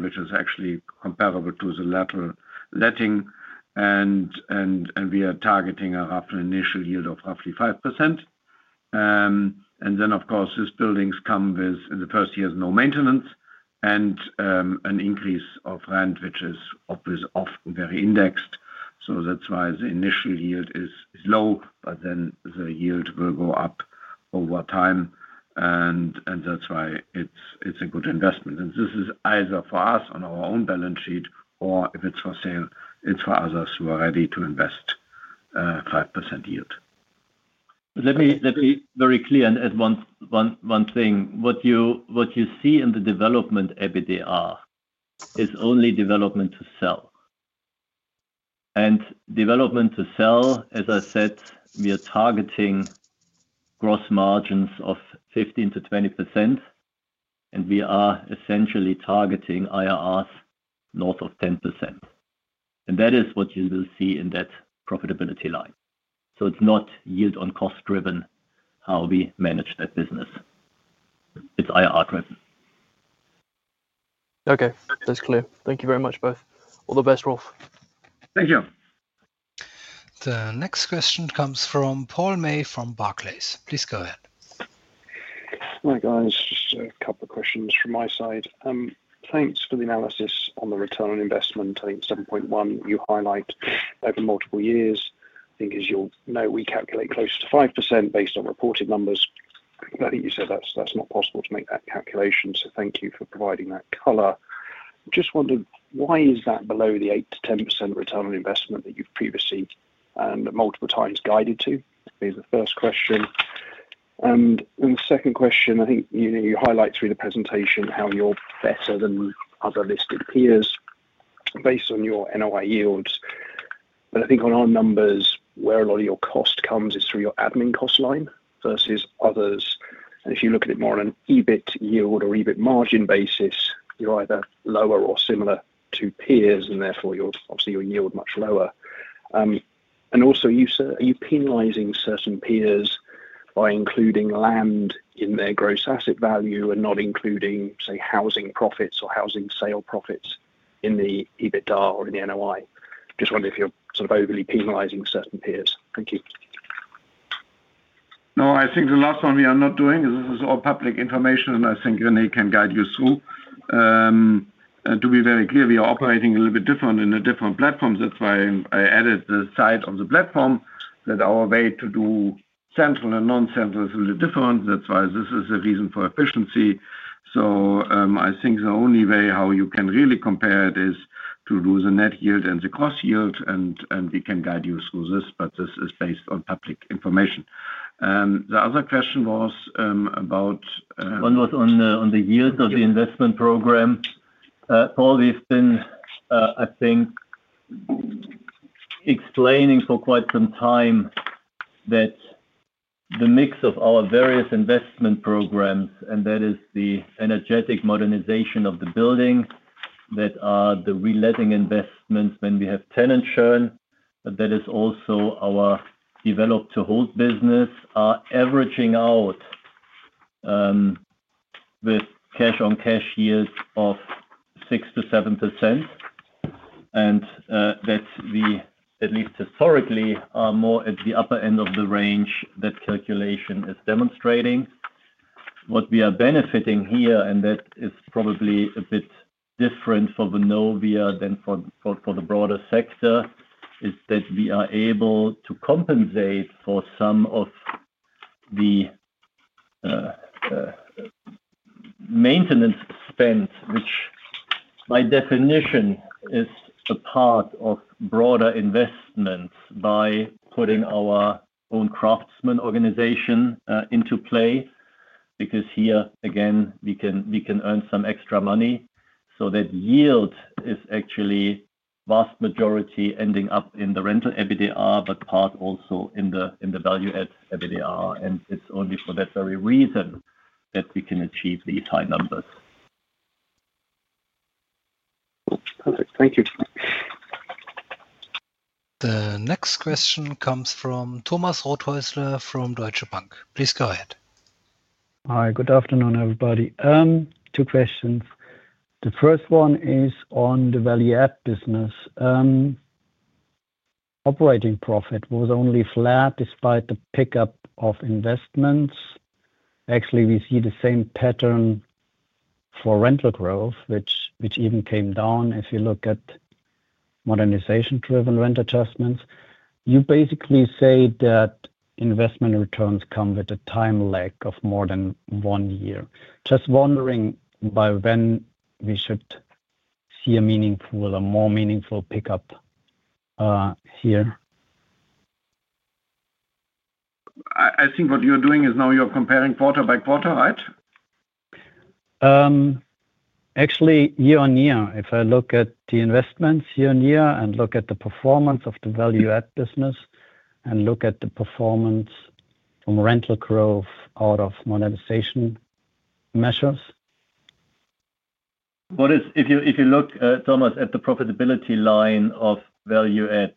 which is actually comparable to the lateral letting. We are targeting a rough initial yield of roughly 5%. Of course, these buildings come with, in the first year, no maintenance and an increase of rent, which is often very indexed. That is why the initial yield is low, but then the yield will go up over time. That is why it is a good investment. This is either for us on our own balance sheet or if it's for sale, it's for others who are ready to invest at a 5% yield. Let me be very clear and add one thing. What you see in the development EBITDA is only development to sell and development to sell. As I said, we are targeting gross margins of 15%-20% and we are essentially targeting IRRs north of 10%. That is what you will see in that profitability line. It is not yield on cost driven how we manage that business, it is IRR. Okay, that is clear. Thank you very much. Both. All the best, Rolf. Thank you. The next question comes from Paul May from Barclays. Please go ahead. Hi guys, just a couple of questions from my side. Thanks. For the analysis on the return on investment. I think 7.1 you highlight over multiple years. I think as you know, we calculate close to 5% based on reported numbers. You said that's not possible to make that calculation, so thank you for providing that color. Just wondered why is that below the 8%-10% return on investment that you've previously and multiple times guided to? Is the first question. The second question, I think you highlight through the presentation how you're better than other listed peers based on your NOI yields. I think on our numbers where a lot of your cost comes is through your admin cost line versus others. If you look at it more on an EBIT yield or EBIT margin basis, you're either lower or similar to peers and therefore obviously your yield much lower. Also, are you penalizing certain peers by including land in their gross asset value and not including say housing profits or housing sale profits in the EBITDA? Or in the NOI? Just wonder if you're sort of overly penalizing certain peers. Thank you. No, I think the last one we are not doing is this is all public information, and I think Rene can guide you through. To be very clear, we are operating a little bit different in the different platforms. That's why I added the side of the platform, that our way to do central and non central is a little different. That's why this is a reason for efficiency. I think the only way how you can really compare it is to do the net yield and the cost yield. We can guide you through this, but this is based on public information. The other question was about one was. On the yield of the investment program. Paul, we've been I think explaining for quite some time that the mix of our various investment programs, and that is the energetic modernization of the building, that are the reletting investments when we have tenant churn, that is also our develop to hold business, are averaging out. With. Cash on cash yield of 6-7% and that we at least historically are more at the upper end of the range. That calculation is demonstrating what we are benefiting here and that is probably a bit different for Vonovia than for the broader sector is that we are able to compensate for some of the maintenance spend which by definition is a part of broader investments by putting our own Craftsman organization into play. Because here again we can earn some extra money. So that yield is actually vast majority ending up in the rental EBITDA but part also in the value-add. And it is only for that very reason that we can achieve these high numbers. Perfect, thank you. The next question comes from Thomas Rothaeusler from Deutsche Bank. Please go ahead. Hi, good afternoon everybody. Two questions. The first one is on the value-add business. Operating profit was only flat despite the pickup of investments. Actually, we see the same pattern for rental growth, which even came down. If you look at modernization-driven rent adjustments, you basically say that investment returns come with a time lag of more than one year. Just wondering by when we should see. A more meaningful pickup here. I think what you're doing is now you're comparing quarter by quarter, right? Actually year on year. If I look at the investments year. On year and look at the performance of the value-add business and look at the performance from rental growth out of monetization measures. If you look, Thomas, at the profitability line of value add,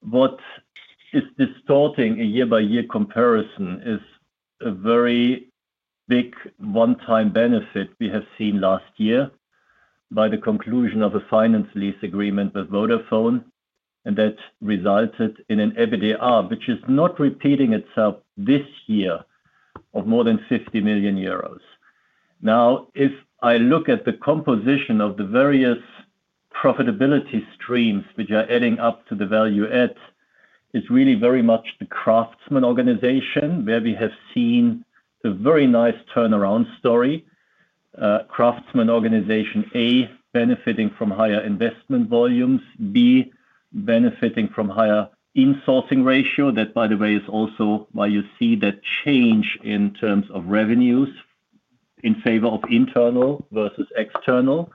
what is distorting a year-by-year comparison is a very big one-time benefit. We have seen last year by the conclusion of a finance lease agreement with Vodafone, and that resulted in an EBITDA which is not repeating itself this year of more than 50 million euros. Now, if I look at the composition of the various profitability streams which are adding up to the value add, it is really very much the Craftsman organization where we have seen a very nice turnaround story. Craftsman organization A, benefiting from higher investment volumes, B, benefiting from higher insourcing ratio. That, by the way, is also why you see that change in terms of revenues in favor of internal versus external.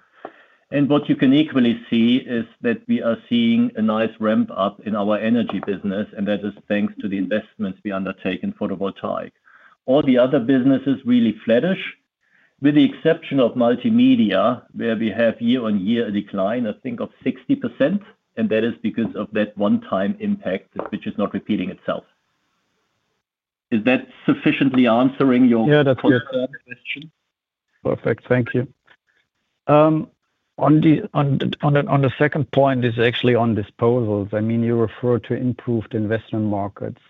What you can equally see is that we are seeing a nice ramp up in our energy business. That is thanks to the investments we undertake in photovoltaic. All the other businesses are really flattish with the exception of multimedia where we have year on year a decline, I think of 60%. That is because of that one time impact which is not repeating itself. Is that sufficiently answering your question? Perfect, thank you. On the second point, it is actually on disposals. I mean, you refer to improved investment markets.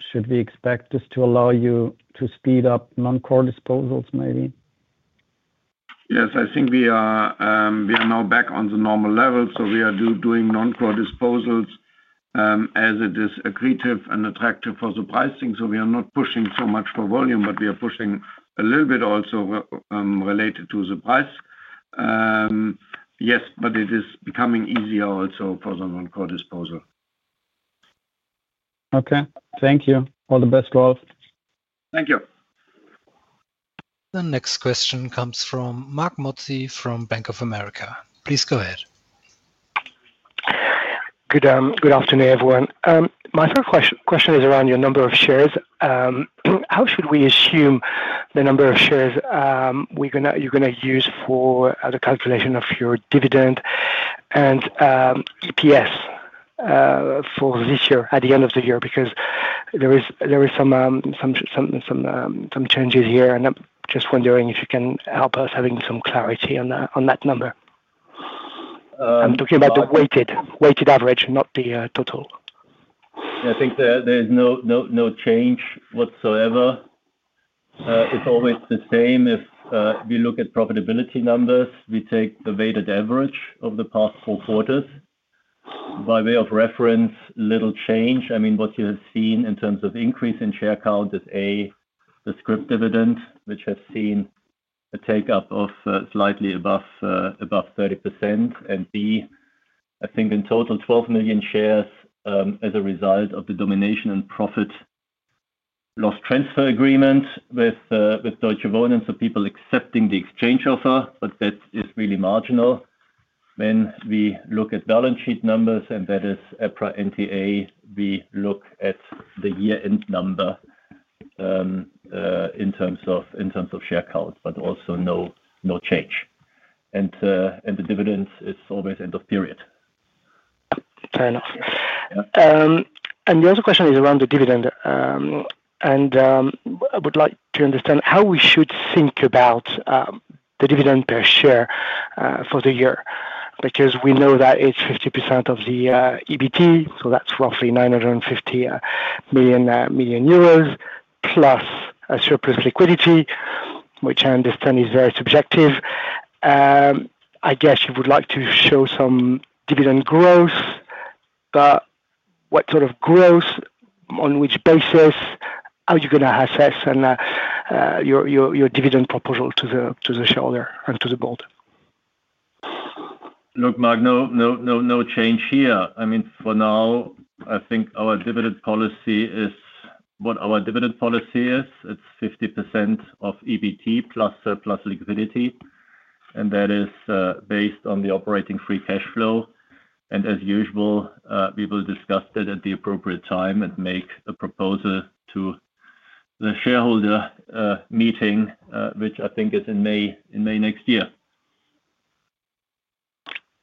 Should we expect this to allow you to speed up non core disposals? Maybe? Yes. I think we are now back on the normal level. We are doing non core disposals as it is accretive and attractive for the pricing. We are not pushing so much for volume, but we are pushing a little bit also related to the price. Yes, it is becoming easier also for the non core disposal. Okay, thank you. All the best, Rolf. Thank you. The next question comes from Marc Mozzi from Bank of America. Please go ahead. Good afternoon everyone. My first question is around your number of shares. How should we assume the number of shares you're going to use for the calculation of your dividend and EPS for this year at the end of the year because there is some changes here and I'm just wondering if you can help us having some clarity on that number. I'm talking about the weighted average, not the total. I think there is no change whatsoever. It's always the same. If we look at profitability numbers, we take the weighted average of the past four quarters. By way of reference, little change. I mean what you have seen in terms of increase in share count is A, the scrip dividend, which has seen a take up of slightly above 30% and B, I think in total 12 million shares as a result of the domination and profit loss transfer agreement with Deutsche Wohnen. So people accepting the exchange offer. That is really marginal. When we look at balance sheet numbers, and that is EPRA NTA, we look at the year end number in terms of share count, but also no, no change and the dividend is always end of period. Fair enough. The other question is around the dividend and I would like to understand how we should think about the dividend per share for the year because we know that it is 50% of the EBIT, so that is roughly 950 million euros plus a surplus liquidity, which I understand is very subjective. I guess you would like to show some dividend growth. What sort of growth? On which basis are you going to assess your dividend proposal to the shareholder and to the board? Look Marc, no change here. I mean for now I think our dividend policy is what our dividend policy is. It's 50% of EBT plus surplus liquidity and that is based on the operating free cash flow. As usual, we will discuss that at the appropriate time and make a proposal to the shareholder meeting, which I think is in May. In May next year.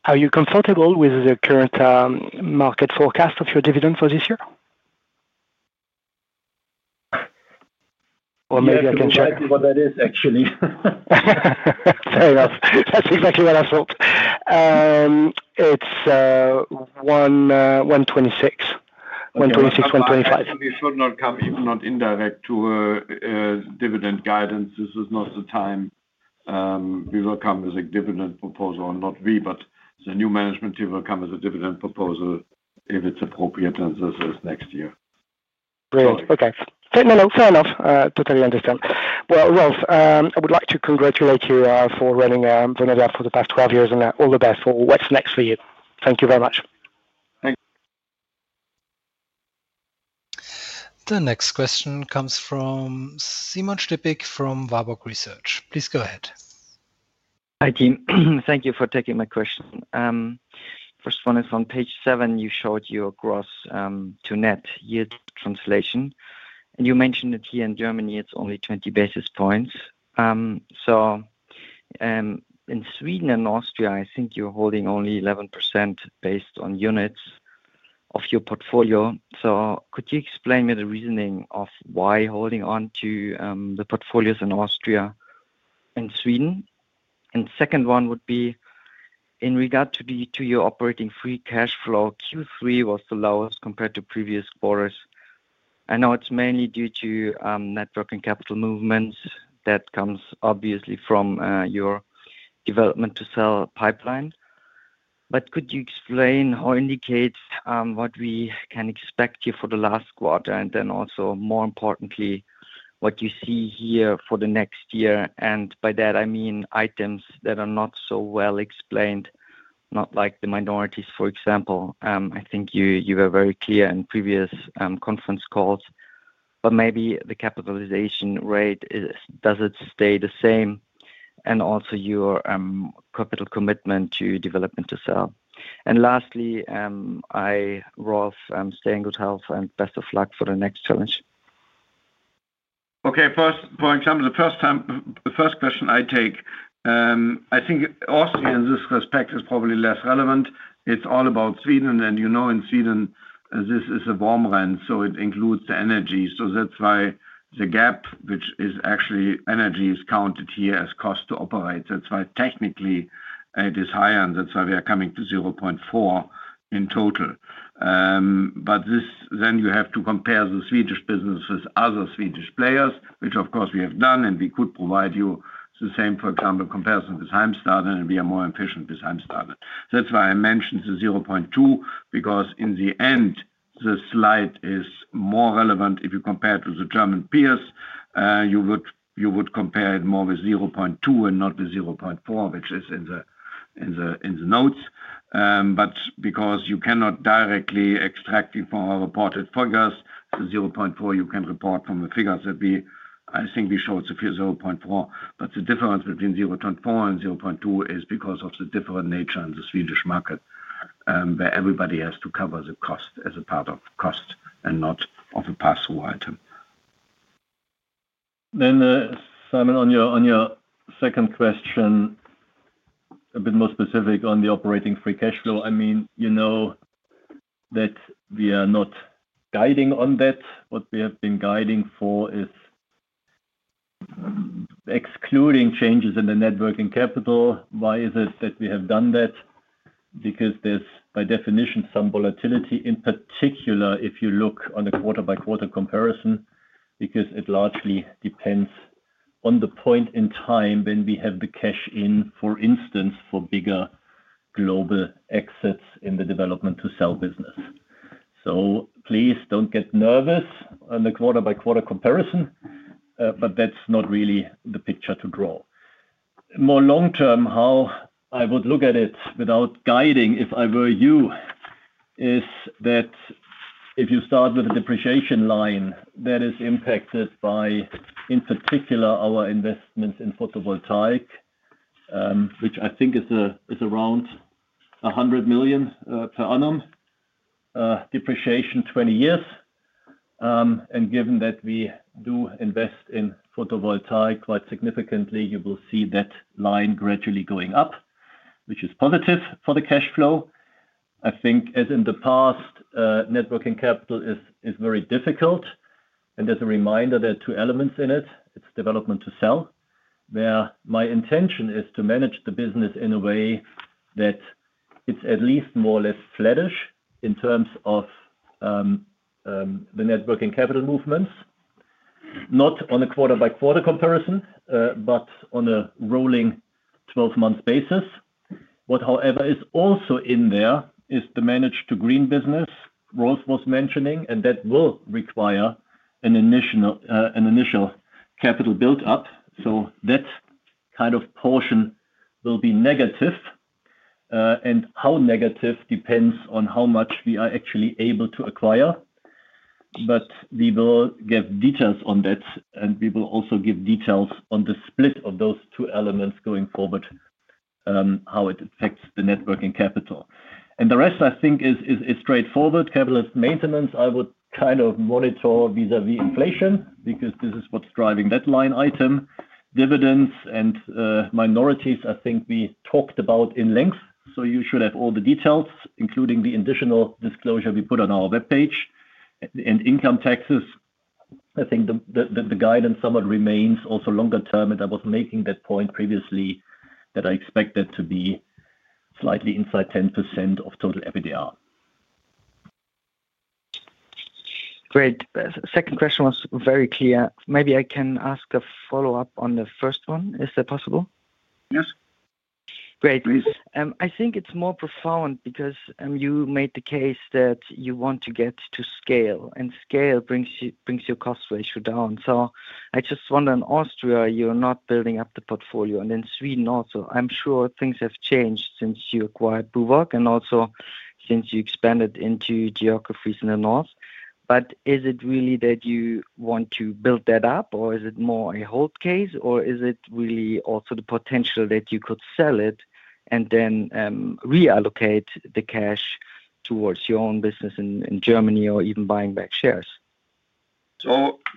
Are you comfortable with the current market forecast of your dividend for this year? Or maybe I can check. That's exactly what that is actually. Fair enough. That's exactly what I thought. It's 126, 126, 125. We should not come, if not indirect, to dividend guidance. This is not the time. We will come as a dividend proposal. Not we, but the new management team will come as a dividend proposal if it's appropriate, as this is next year. Brilliant. Okay. No, no, fair enough. Totally understand. Rolf, I would like to congratulate you for running Vonovia for the past 12 years and all the best for what's next for you. Thank you very much. The next question comes from Simon Stippig from Warburg Research. Please go ahead. Hi Tim, thank you for taking my question. First one is on page seven. You showed your gross to net yield translation. You mentioned that here in Germany it's only 20 basis points. In Sweden and Austria I think you're holding only 11% based on units of your portfolio. Could you explain me the reasoning of why holding on to the portfolios in Austria, Sweden. Second one would be in regard to your operating free cash flow. Q3 was the lowest compared to previous quarters. I know it's mainly due to net working capital movements that comes obviously from your development to sell pipeline. Could you explain or indicate what we can expect here for the last quarter and then also more importantly what you see here for the next year. By that I mean items that are not so well explained. Not like the minorities, for example. I think you were very clear in previous conference calls. Maybe the capitalization rate, does it stay the same? Also, your capital commitment to development to sell. Lastly, I, Rolf, stay in good health and best of luck for the next challenge. Okay, first, for example, the first question I take, I think Austria in this respect is probably less relevant. It is all about Sweden. You know, in Sweden this is a warm rent, so it includes the energy. That is why the gap, which is actually energy, is counted here as cost to operate. That is why technically it is higher. That is why we are coming to 0.4 in total. You have to compare the Swedish business with other Swedish players, which of course we have done. We could provide you the same, for example, comparison with Heimstaden and we are more efficient with Heimstaden. That is why I mentioned the 0.2, because in the end the slide is more relevant if you compare to the German peers. You would compare it more with 0.2 and not with 0.4, which is in the notes, but because you cannot directly extract it from our reported figures, 0.4. You can report from the figures that we, I think we showed 0.4, but the difference between 0.4 and 0.2 is because of the different nature in the Swedish market where everybody has to cover the cost as a part of cost and not of a pass through item. On your second question, a bit more specific on the operating free cash flow, I mean, you know that we are not guiding on that. What we have been guiding for is excluding changes in the net working capital. Why is it that we have done that? Because there is by definition some volatility in particular if you look on the quarter by quarter comparison, because it largely depends on the point in time when we have the cash in, for instance for bigger global exits in the development to sell business. Please do not get nervous on the quarter by quarter comparison. That's not really the picture to draw more long-term. How I would look at it without guiding if I were you is that if you start with a depreciation line that is impacted by, in particular, our investments in photovoltaic, which I think is around 100 million per annum depreciation, 20 years. Given that we do invest in photovoltaic quite significantly, you will see that line gradually going up, which is positive for the cash flow. I think, as in the past, net working capital is very difficult. As a reminder, there are two elements in it. It is development to sell, where my intention is to manage the business in a way that it's at least more or less flattish in terms of the net working capital movements, not on a quarter by quarter comparison, but on a rolling 12 month basis. What however is also in there is the managed to green business Rolf was mentioning. That will require an initial capital build up. That kind of portion will be negative. How negative depends on how much we are actually able to acquire. We will give details on that and we will also give details on the split of those two elements going forward, how it affects the net working capital. The rest I think is straightforward capitalized maintenance. I would kind of monitor vis-à-vis inflation because this is what's driving that line item. Dividends and minorities I think we talked about in length. You should have all the details, including the additional disclosure we put on our webpage and income taxes. I think the guidance somewhat remains also longer term and I was making that point previously that I expect that to be slightly inside 10% of total EBITDA. Great. Second question was very clear. Maybe I can ask a follow-up on the first one. Is that possible? Yes. Great. I think it's more profound because you made the case that you want to get to scale and scale brings your cost ratio down. I just wonder in Austria you're not building up the portfolio and in Sweden also, I'm sure things have changed since you acquired Bourbon and also since you expanded into geographies north, but is it really that you want to build that up or is it more a hold case or is it really also the potential that you could sell it and then reallocate the cash towards your own business in Germany or even buying back shares.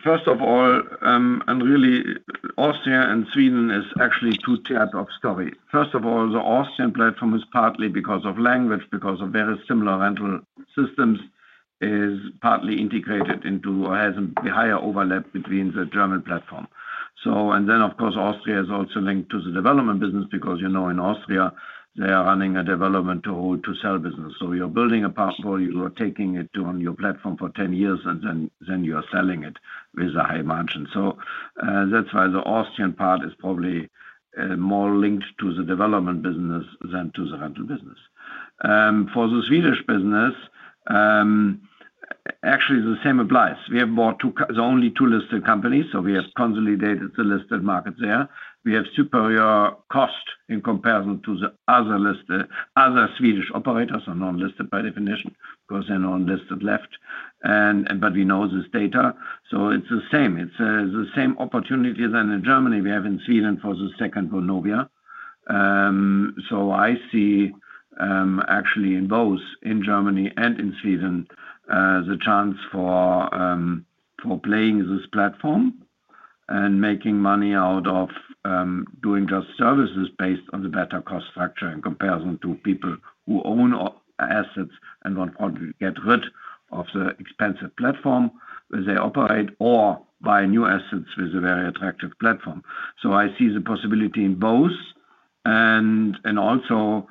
First of all, and really Austria and Sweden is actually two types of story. First of all, the Austrian platform is partly because of language, because of various similar rental systems, is partly integrated into or has a higher overlap between the German platform. So. Of course, Austria is also linked to the development business because, you know, in Austria they are running a development to hold to sell business. You are building a portfolio, you are taking it on your platform for 10 years, and then you are selling it with a high margin. That is why the Austrian part is probably more linked to the development business than to the rental business. For the Swedish business, actually the same applies. We have bought only two listed companies, so we have consolidated the listed markets there. We have superior cost in comparison to the other listed. Other Swedish operators are non-listed by definition because they are non-listed left. But we know this data. It is the same opportunity that we have in Germany, we have in Sweden for the second Vonovia. I see actually in both in Germany and in Sweden the chance for playing this platform and making money out of doing just services based on the better cost structure in comparison to people who own assets and want to get rid of the expensive platform where they operate or buy new assets with a very attractive platform. I see the possibility in both. Also,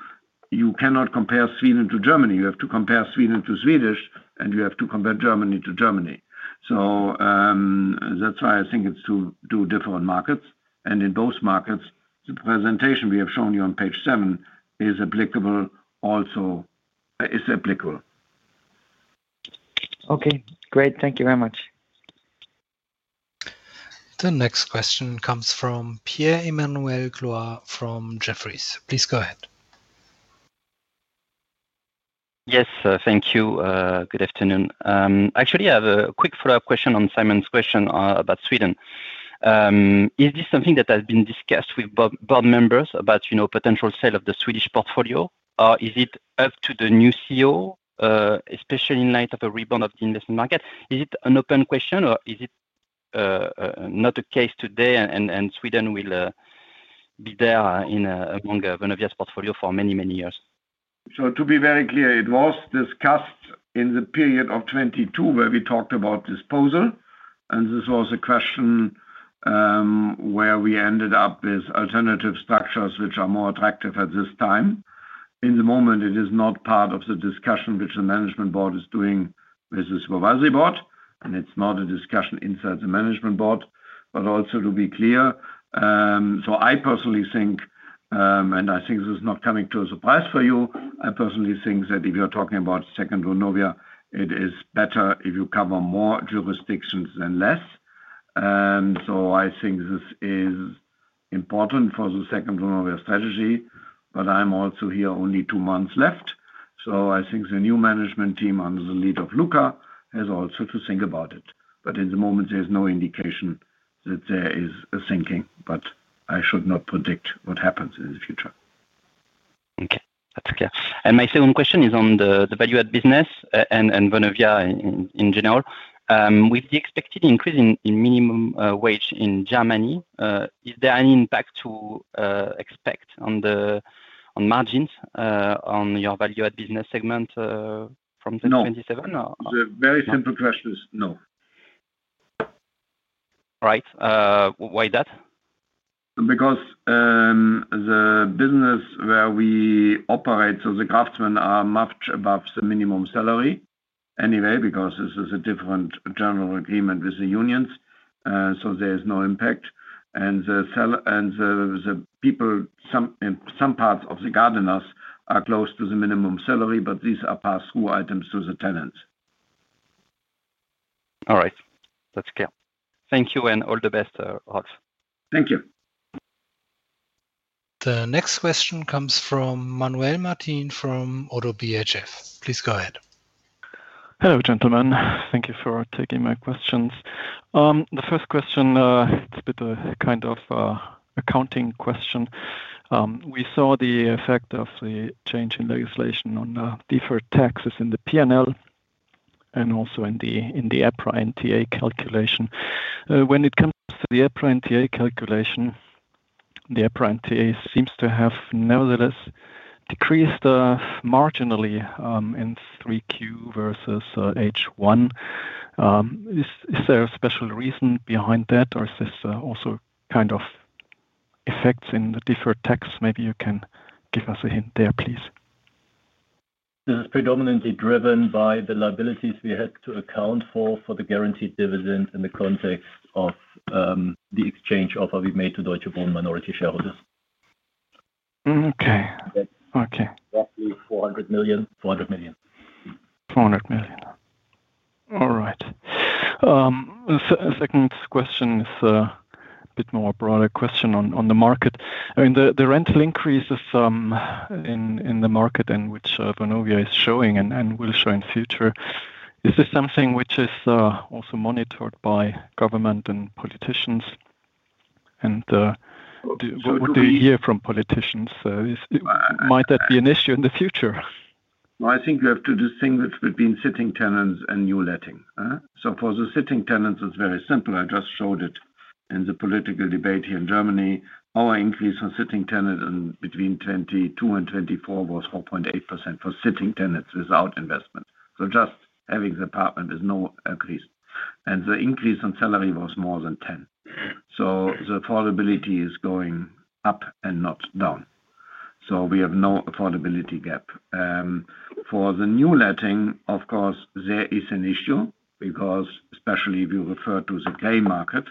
you cannot compare Sweden to Germany. You have to compare Sweden to Sweden and you have to compare Germany to Germany. That is why I think it is two different markets. In both markets, the presentation we have shown you on page 7 is applicable. Also is applicable. Okay, great. Thank you very much. The next question comes from Pierre-Emmanuel Clouard from Jefferies. Please go ahead. Yes, thank you. Good afternoon. Actually, I have a quick follow-up question on Simon's question about Sweden. Is this something that has been discussed with board members about potential sale of the Swedish portfolio or is it up? To the new CEO, especially in light of a rebound of the investment market? Is it an open question or is? it not the case today? Sweden will be there in among. Vonovia's portfolio for many, many years. To be very clear, it was discussed in the period of 2022 where we talked about disposal and this was a question where we ended up with alternative structures which are more attractive at this time in the moment. It is not part of the discussion which the management board is doing with the supervisory board. It is not a discussion inside the management board, but also to be clear. I personally think, and I think this is not coming as a surprise for you, I personally think that if you are talking about second Vonovia, it is better if you cover more jurisdictions than less. I think this is important for the second Vonovia strategy. I am also here only two months left. I think the new management team under the lead of Luca has also to think about it. At the moment there's no indication that there is a sinking. I should not predict what happens in the future. Okay, that's clear. My second question is on the value-add business and Vonovia in general. With the expected increase in minimum wage in Germany, is there any impact to expect on the margins on your value-add business segment from the 2027? The very simple question is no. Right? Why that? Because the business where we operate, the craftsmen are much above the minimum salary anyway. This is a different general agreement with the unions, so there is no impact. The people in some parts of the gardeners are close to the minimum salary, but these are pass through items to the tenants. All right, that's clear. Thank you. All the best, Rolf. Thank you. The next question comes from Manuel Martin from Oddo BHF. Please go ahead. Hello gentlemen. Thank you for taking my questions. The first question, it's a bit kind of accounting question. We saw the effect of the change. In legislation on deferred taxes in the. P&L and also in the EPRA NTA calculation. When it comes to the EPRA NTA calculation, the EPRA NTA seems to have nevertheless decreased marginally in 3Q vs H1. Is there a special reason behind that? Or is this also kind of effects in the deferred tax? Maybe you can give us a hint there, please. This is predominantly driven by the liabilities we had to account for for the guaranteed dividend in the context of the exchange offer we made to Deutsche Wohnen minority shareholders. Okay, okay. Roughly 400 million. 400 million. 400 million. All right. Second question is bit more broader question on the market. The rental increases in the market in which Vonovia is showing and will show in future. Is this something which is also monitored? By government and politicians? What do you hear from politicians? Might that be an issue in the future? I think you have to distinguish between sitting tenants and new lettings. For the sitting tenants, it's very simple. I just showed it in the political debate here in Germany. Our increase on sitting tenants between 2022 and 2024 was 4.8% for sitting tenants without investment. Just having the apartment with no increase, and the increase in salary was more than 10%. The affordability is going up and not down. We have no affordability gap for the new letting. Of course, there is an issue because especially if you refer to the gray market,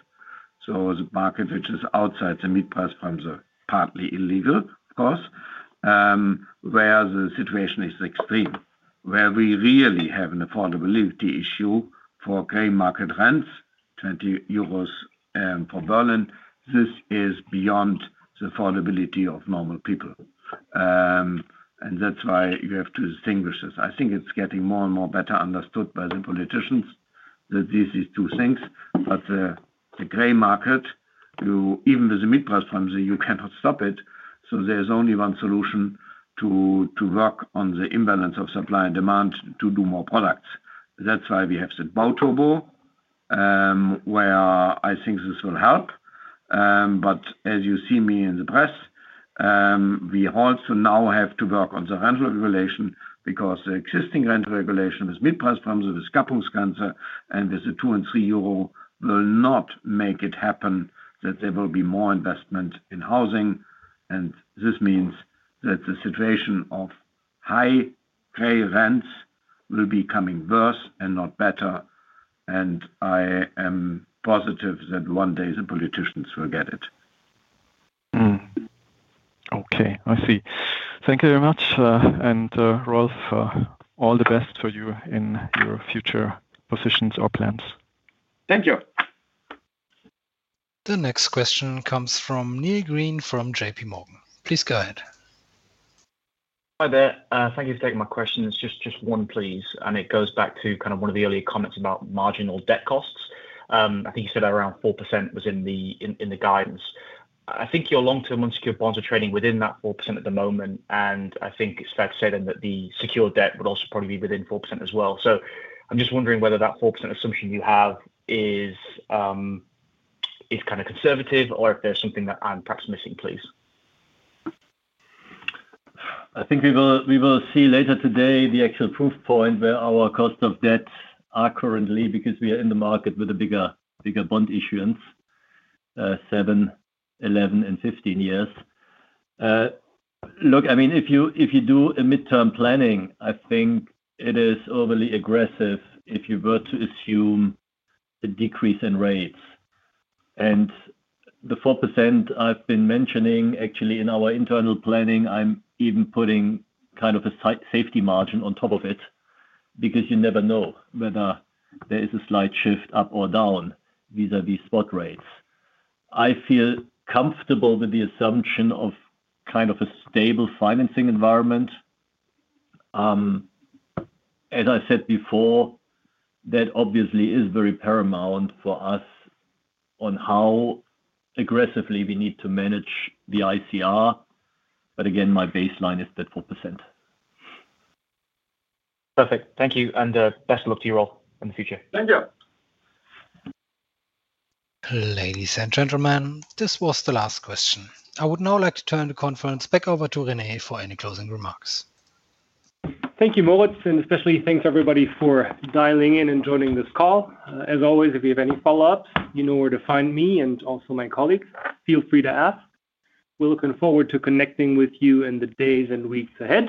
the market which is outside the mid price from the partly illegal course, where the situation is extreme, where we really have an affordability issue for gray market rents. 20 euros for Berlin, this is beyond the affordability of normal people. That is why you have to distinguish this. I think it's getting more and more better understood by the politicians, these two things. The gray market, even with the Mietpreisbremse, you cannot stop it. There is only one solution to work on the imbalance of supply and demand, to do more products. That is why we have the Bauturbo, where I think this will help. As you see me in the press, we also now have to work on the rental regulation because the existing rent regulation with Mietpreisbremse problems and with the 2 and 3 euro will not make it happen that there will be more investment in housing. This means that the situation of high gray rents will be getting worse and not better. I am positive that one day the politicians will get it. Okay, I see. Thank you very much. Rolf, all the best for you.In your future positions or plans. Thank you. The next question comes from Neil Green from JPMorgan. Please go ahead. Hi there. Thank you for taking my question. It's just one, please. And it goes back to kind of one of the earlier comments about marginal debt costs. I think you said around 4% was in the guidance. I think your long-term unsecured bonds. Are trading within that 4% at the moment. I think it's fair to say. The secured debt would also. Probably be within 4% as well. I'm just wondering whether that 4% assumption you have is kind of conservative. If there's something that I'm perhaps missing, please. I think we will see later today the actual proof point where our cost of debt are currently because we are in the market with a bigger, bigger bond issuance. 7, 11 and 15 years. Look, I mean if you, if you do a midterm planning, I think it is overly aggressive if you were to assume a decrease in rates. And the 4% I've been mentioning actually in our internal planning, I'm even putting kind of a safety margin on top of it because you never know whether there is a slight shift up or down vis a vis spot rates. I feel comfortable with the assumption of kind of a stable financing environment. As I said before, that obviously is very paramount for us on how aggressively we need to manage the ICR. But again, my baseline is 34%. Perfect. Thank you and best of luck too. You all in the future. Thank you. Ladies and gentlemen, this was the last question. I would now like to turn the conference back over to Rene for any closing remarks. Thank you, Moritz. Especially thanks everybody for dialing in. Joining this call. As always, if you have any follow-ups, you know where to find me. Also my colleagues, feel free to ask. We're looking forward to connecting with you in the days and weeks ahead.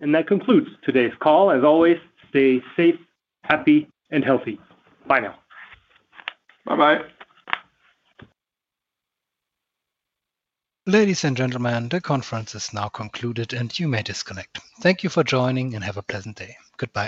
That concludes today's call. As always, stay safe, happy and healthy. Bye now. Bye. Bye. Ladies and gentlemen, the conference is now concluded and you may disconnect. Thank you for joining and have a pleasant day. Goodbye.